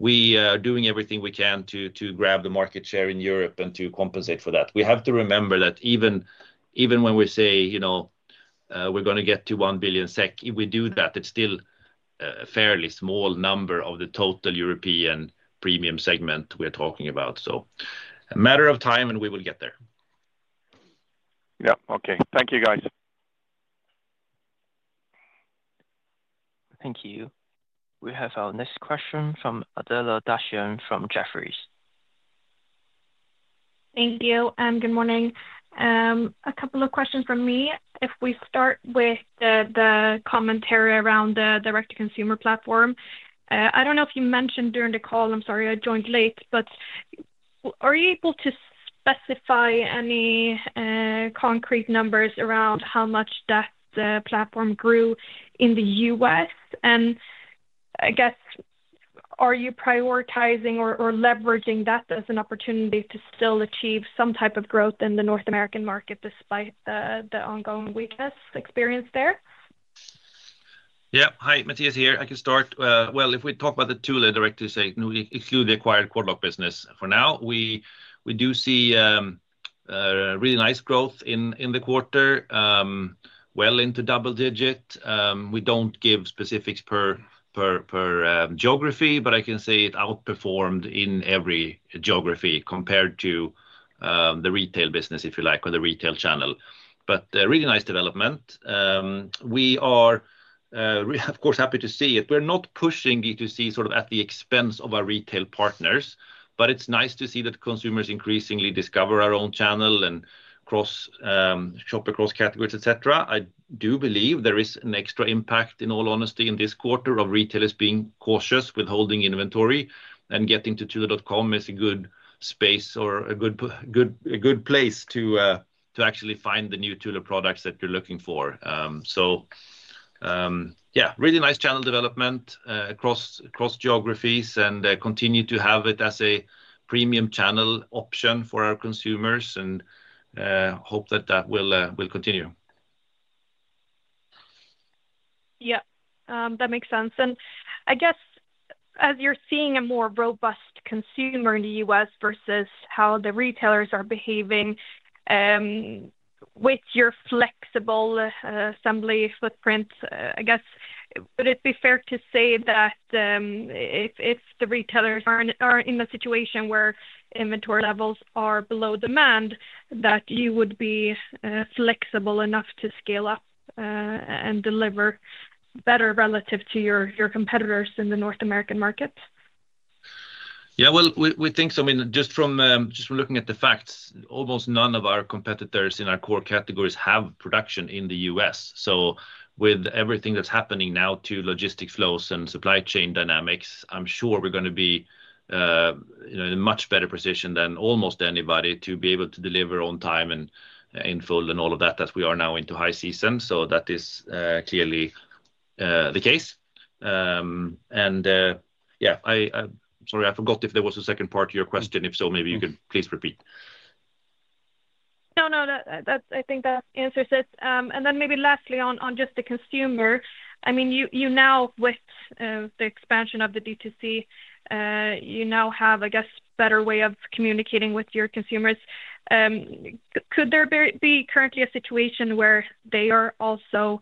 We are doing everything we can to grab the market share in Europe and to compensate for that. We have to remember that even when we say we're going to get to one billion SEK, if we do that, it's still a fairly small number of the total European premium segment we're talking about. A matter of time, and we will get there. Yeah. Okay. Thank you, guys. Thank you. We have our next question from Adela Dashian from Jefferies. Thank you. Good morning. A couple of questions from me. If we start with the commentary around the direct-to-consumer platform, I do not know if you mentioned during the call, I am sorry, I joined late, but are you able to specify any concrete numbers around how much that platform grew in the U.S.? I guess, are you prioritizing or leveraging that as an opportunity to still achieve some type of growth in the North American market despite the ongoing weakness experienced there? Yeah. Hi, Mattias here. I can start. If we talk about the Direct To Costumer and we exclude the acquired Quad Lock business for now, we do see really nice growth in the quarter, well into double digit. We do not give specifics per geography, but I can say it outperformed in every geography compared to the retail business, if you like, or the retail channel. Really nice development. We are, of course, happy to see it. We're not pushing DTC sort of at the expense of our retail partners, but it's nice to see that consumers increasingly discover our own channel and shop across categories, etc. I do believe there is an extra impact, in all honesty, in this quarter of retailers being cautious with holding inventory. Getting to thule.com is a good space or a good place to actually find the new Thule products that you're looking for. Yeah, really nice channel development across geographies and continue to have it as a premium channel option for our consumers and hope that that will continue. Yeah. That makes sense. I guess, as you're seeing a more robust consumer in the U.S. versus how the retailers are behaving with your flexible assembly footprint, I guess, would it be fair to say that if the retailers are in a situation where inventory levels are below demand, that you would be flexible enough to scale up and deliver better relative to your competitors in the North American market? Yeah. We think so. I mean, just from looking at the facts, almost none of our competitors in our core categories have production in the U.S. With everything that's happening now to logistics flows and supply chain dynamics, I'm sure we're going to be in a much better position than almost anybody to be able to deliver on time and in full and all of that as we are now into high season. That is clearly the case. Yeah, sorry, I forgot if there was a second part to your question. If so, maybe you could please repeat. No, no. I think that answers it. Maybe lastly, on just the consumer, I mean, you know, with the expansion of the DTC, you now have, I guess, a better way of communicating with your consumers. Could there be currently a situation where they are also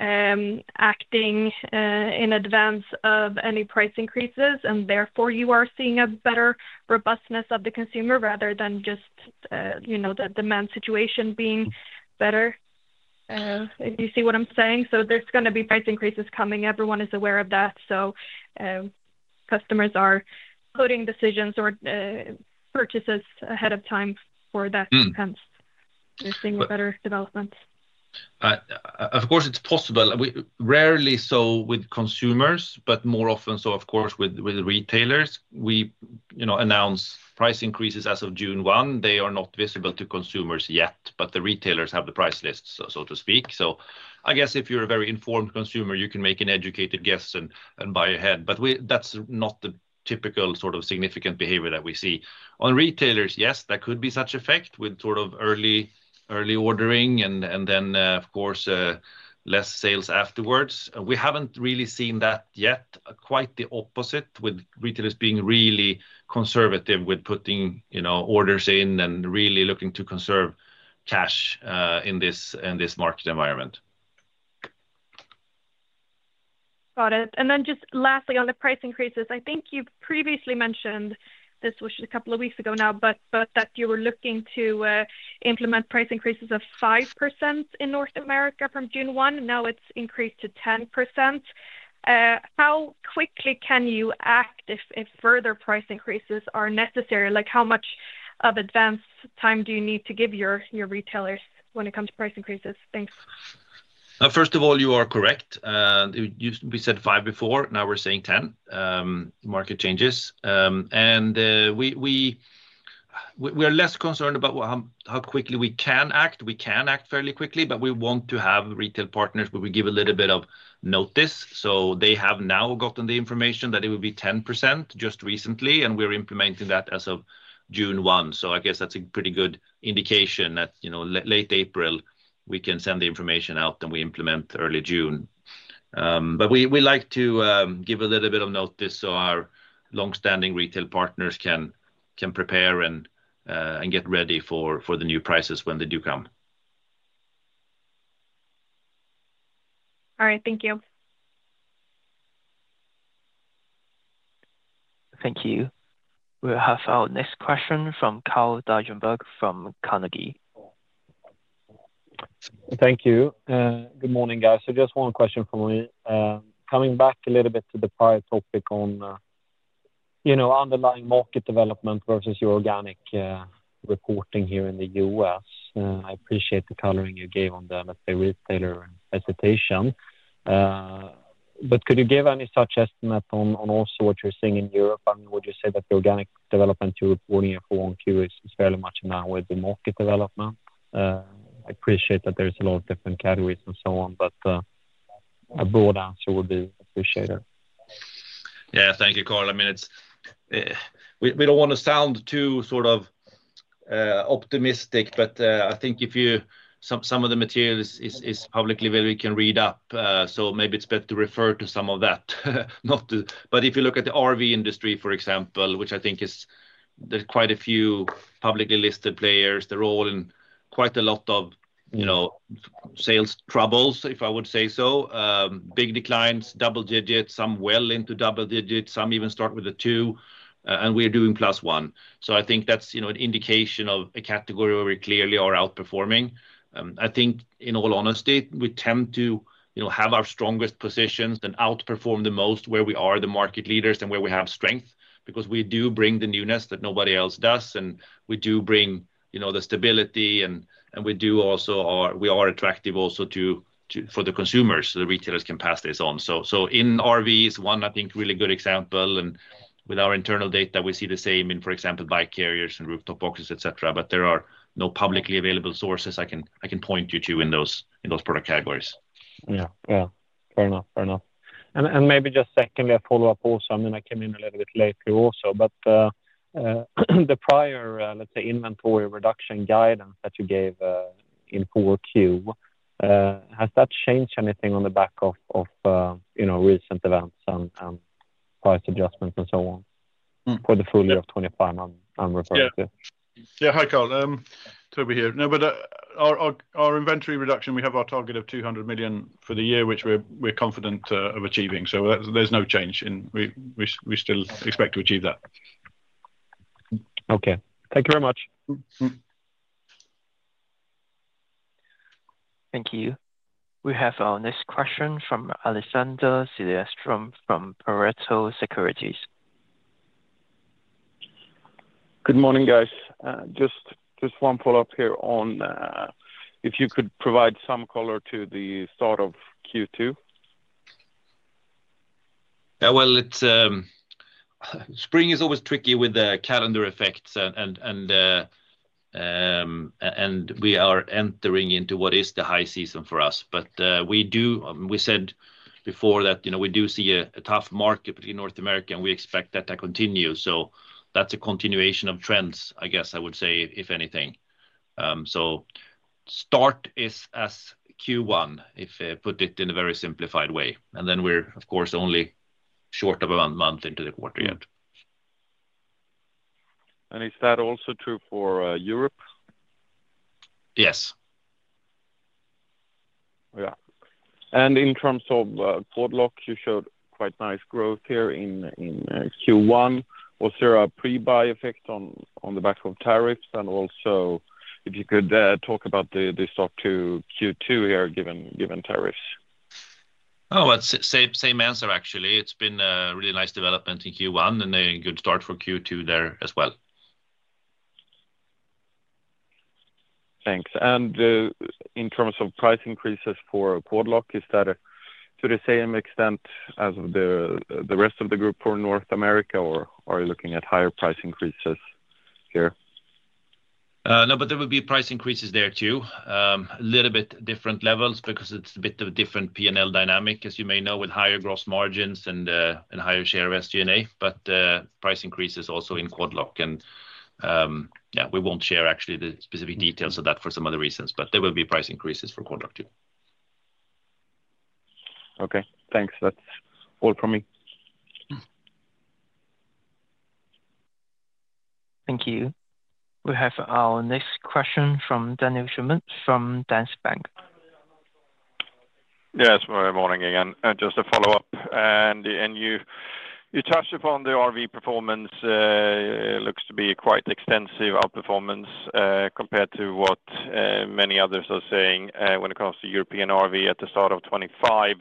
acting in advance of any price increases, and therefore you are seeing a better robustness of the consumer rather than just the demand situation being better? Do you see what I'm saying? There are going to be price increases coming. Everyone is aware of that. Customers are putting decisions or purchases ahead of time for that, seeing a better development. Of course, it is possible. Rarely so with consumers, but more often so, of course, with retailers. We announce price increases as of June one. They are not visible to consumers yet, but the retailers have the price list, so to speak. I guess if you're a very informed consumer, you can make an educated guess and buy ahead. That is not the typical sort of significant behavior that we see. On retailers, yes, there could be such effect with early ordering and then, of course, less sales afterwards. We haven't really seen that yet. Quite the opposite with retailers being really conservative with putting orders in and really looking to conserve cash in this market environment. Got it. Lastly, on the price increases, I think you've previously mentioned this was a couple of weeks ago now, that you were looking to implement price increases of 5% in North America from June one. Now it's increased to 10%. How quickly can you act if further price increases are necessary? How much of advance time do you need to give your retailers when it comes to price increases? Thanks. First of all, you are correct. We said five before. Now we're saying 10. Market changes. We are less concerned about how quickly we can act. We can act fairly quickly, but we want to have retail partners where we give a little bit of notice. They have now gotten the information that it will be 10% just recently, and we're implementing that as of June one. I guess that's a pretty good indication that late April, we can send the information out, and we implement early June. We like to give a little bit of notice so our long-standing retail partners can prepare and get ready for the new prices when they do come. All right. Thank you. Thank you. We have our next question from Carl Deijenberg from Carnegie. Thank you. Good morning, guys. Just one question for me. Coming back a little bit to the prior topic on underlying market development versus your organic reporting here in the U.S., I appreciate the coloring you gave on the retailer hesitation. Could you give any such estimate on also what you're seeing in Europe? I mean, would you say that the organic development you're reporting for Q1 is fairly much in line with the market development? I appreciate that there's a lot of different categories and so on, but a broad answer would be appreciated. Yeah. Thank you, Carl. I mean, we do not want to sound too sort of optimistic, but I think if you, some of the material is publicly available, we can read up. Maybe it's better to refer to some of that. If you look at the RV industry, for example, which I think is there's quite a few publicly listed players, they're all in quite a lot of sales troubles, if I would say so. Big declines, double digits, some well into double digits, some even start with a two, and we're doing plus 1. I think that's an indication of a category where we clearly are outperforming. I think, in all honesty, we tend to have our strongest positions and outperform the most where we are the market leaders and where we have strength because we do bring the newness that nobody else does, and we do bring the stability, and we are attractive also for the consumers so the retailers can pass this on. In RVs, one, I think, really good example. With our internal data, we see the same in, for example, bike carriers and rooftop boxes, etc. There are no publicly available sources I can point you to in those product categories. Yeah. Yeah. Fair enough. Fair enough. Maybe just secondly, a follow-up also. I mean, I came in a little bit late here also, but the prior, let's say, inventory reduction guidance that you gave in Q4, has that changed anything on the back of recent events and price adjustments and so on for the full year of 2025 I am referring to? Yeah. Yeah. Hi, Carl. Toby here. No, our inventory reduction, we have our target of 200 million for the year, which we are confident of achieving. There is no change in we still expect to achieve that. Okay. Thank you very much. Thank you. We have our next question from Alexander Siljeström from Pareto Securities. Good morning, guys. Just one follow-up here on if you could provide some color to the start of Q2. Spring is always tricky with the calendar effects, and we are entering into what is the high season for us. We said before that we do see a tough market in North America, and we expect that to continue. That is a continuation of trends, I guess I would say, if anything. Start is as Q1, if I put it in a very simplified way. We are, of course, only short of a month into the quarter yet. Is that also true for Europe? Yes. Yeah. In terms of Quad Lock, you showed quite nice growth here in Q1. Was there a pre-buy effect on the back of tariffs? If you could talk about the start to Q2 here given tariffs. Oh, same answer, actually. It's been a really nice development in Q1, and a good start for Q2 there as well. Thanks. In terms of price increases for Quadlock, is that to the same extent as the rest of the group for North America, or are you looking at higher price increases here? No, but there would be price increases there too. A little bit different levels because it's a bit of a different P&L dynamic, as you may know, with higher gross margins and higher share of SG&A. Price increases also in Quadlock. We won't share actually the specific details of that for some other reasons, but there will be price increases for Quadlock too. Okay. Thanks. That's all from me. Thank you. We have our next question from Daniel Schmidt from Danske Bank. Yes. Good morning again. Just a follow-up. You touched upon the RV performance. It looks to be quite extensive outperformance compared to what many others are saying when it comes to European RV at the start of 2025.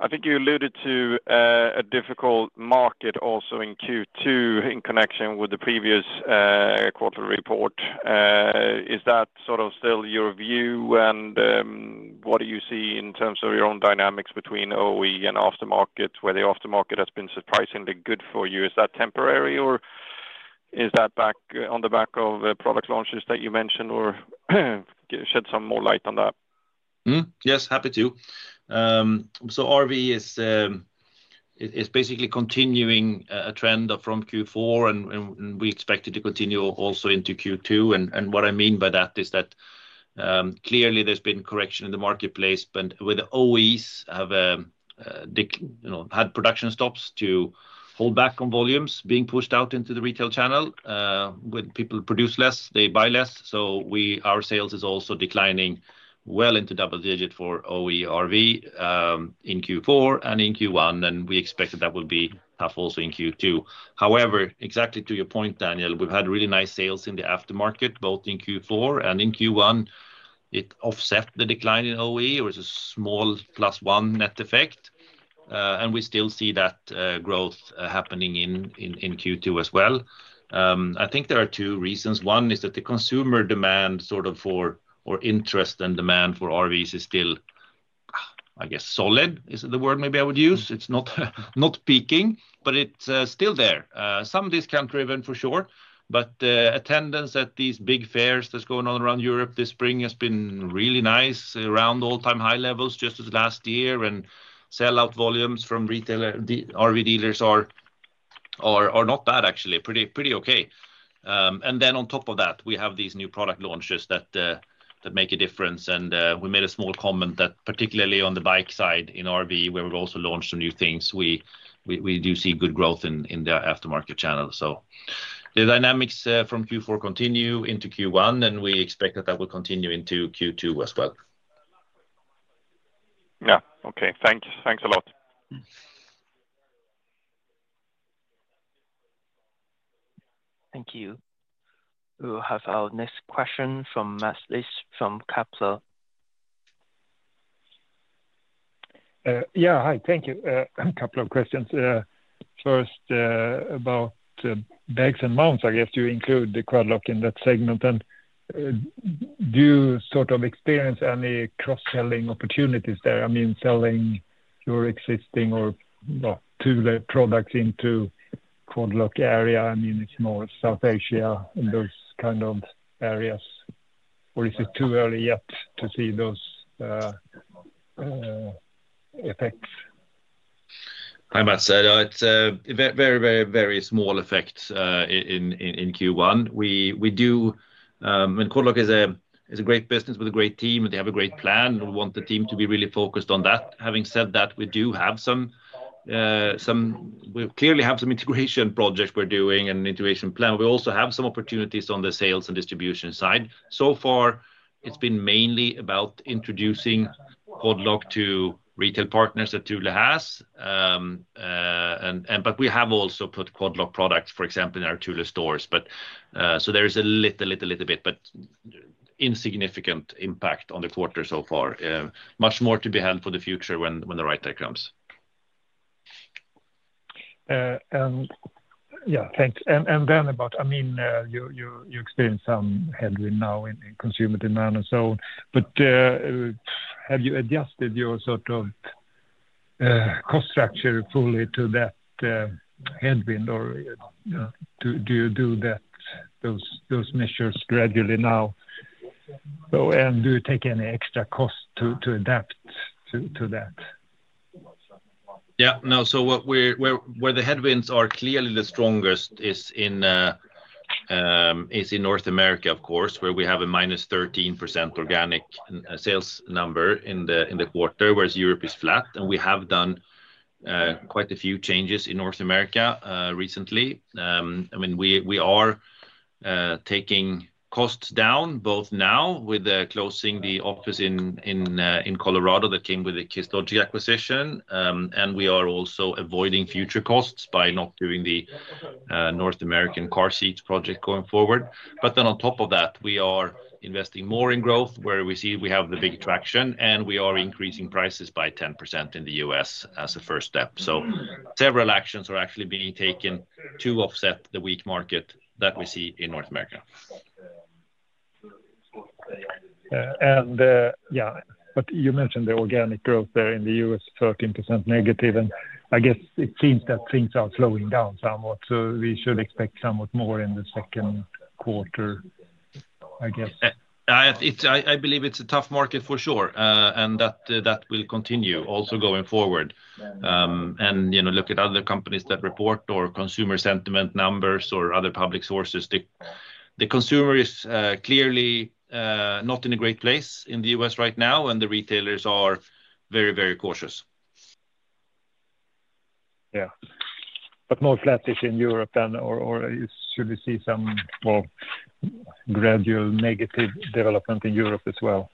I think you alluded to a difficult market also in Q2 in connection with the previous quarter report. Is that sort of still your view? What do you see in terms of your own dynamics between OE and aftermarket, where the aftermarket has been surprisingly good for you? Is that temporary, or is that on the back of product launches that you mentioned or could you shed some more light on that? Yes. Happy to. RV is basically continuing a trend from Q4, and we expect it to continue also into Q2. What I mean by that is that clearly there has been correction in the marketplace, but with OEs have had production stops to hold back on volumes being pushed out into the retail channel. When people produce less, they buy less. Our sales is also declining well into double digit for OE RV in Q4 and in Q1, and we expect that that will be tough also in Q2. However, exactly to your point, Daniel, we have had really nice sales in the aftermarket both in Q4 and in Q1. It offset the decline in OE, or it is a small plus one net effect. We still see that growth happening in Q2 as well. I think there are two reasons. One is that the consumer demand sort of for or interest and demand for RVs is still, I guess, solid is the word maybe I would use. It's not peaking, but it's still there. Some discount driven, for sure. Attendance at these big fairs that's going on around Europe this spring has been really nice, around all-time high levels just as last year. Sell out volumes from RV dealers are not bad, actually. Pretty okay. On top of that, we have these new product launches that make a difference. We made a small comment that particularly on the bike side in RV, where we've also launched some new things, we do see good growth in the aftermarket channel. The dynamics from Q4 continue into Q1, and we expect that will continue into Q2 as well. Yeah. Okay. Thanks. Thanks a lot. Thank you. We have our next question from Mats Liss from Capsa. Yeah. Hi. Thank you. A couple of questions. First, about Bags and Mounts, I guess, do you include the Quad Lock in that segment? And do you sort of experience any cross-selling opportunities there? I mean, selling your existing or two products into Quad Lock area. I mean, it's more South Asia and those kind of areas. Or is it too early yet to see those effects? I might say very, very, very small effects in Q1. I mean, Quad Lock is a great business with a great team, and they have a great plan. We want the team to be really focused on that. Having said that, we do have some, we clearly have some integration projects we're doing and integration plan. We also have some opportunities on the sales and distribution side. So far, it's been mainly about introducing Quad Lock to retail partners that Thule has. But we have also put Quad Lock products, for example, in our Thule stores. There is a little, little, little bit, but insignificant impact on the quarter so far. Much more to be had for the future when the right time comes. Yeah, thanks. About, I mean, you experience some headwind now in consumer demand and so on. Have you adjusted your sort of cost structure fully to that headwind, or do you do those measures gradually now? Do you take any extra cost to adapt to that? Yeah. No, where the headwinds are clearly the strongest is in North America, of course, where we have a -13% organic sales number in the quarter, whereas Europe is flat. We have done quite a few changes in North America recently. I mean, we are taking costs down both now with closing the office in Colorado that came with the Case Logic acquisition, and we are also avoiding future costs by not doing the North American car seats project going forward. On top of that, we are investing more in growth where we see we have the big traction, and we are increasing prices by 10% in the US as a first step. Several actions are actually being taken to offset the weak market that we see in North America. Yeah, you mentioned the organic growth there in the US, 13% negative. I guess it seems that things are slowing down somewhat. We should expect somewhat more in the second quarter, I guess. I believe it's a tough market for sure, and that will continue also going forward. Look at other companies that report or consumer sentiment numbers or other public sources. The consumer is clearly not in a great place in the U.S. right now, and the retailers are very, very cautious. Yeah. More flat is in Europe then, or should we see some more gradual negative development in Europe as well?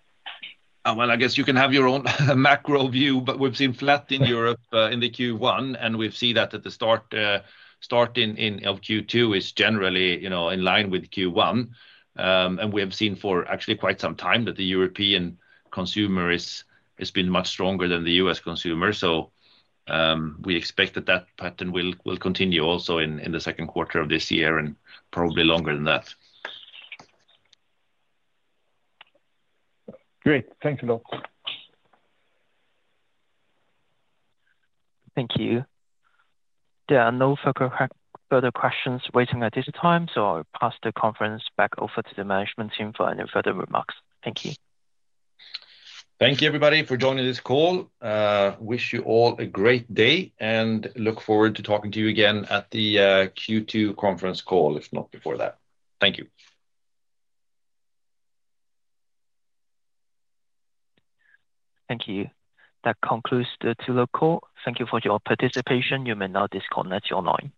I guess you can have your own macro view, but we've seen flat in Europe in the Q1, and we've seen that at the start in Q2 is generally in line with Q1. We have seen for actually quite some time that the European consumer has been much stronger than the U.S. consumer. We expect that that pattern will continue also in the second quarter of this year and probably longer than that. Great. Thanks a lot. Thank you. There are no further questions waiting at this time, so I'll pass the conference back over to the management team for any further remarks. Thank you. Thank you, everybody, for joining this call. Wish you all a great day and look forward to talking to you again at the Q2 conference call, if not before that. Thank you. Thank you. That concludes the Thule call. Thank you for your participation. You may now disconnect your line.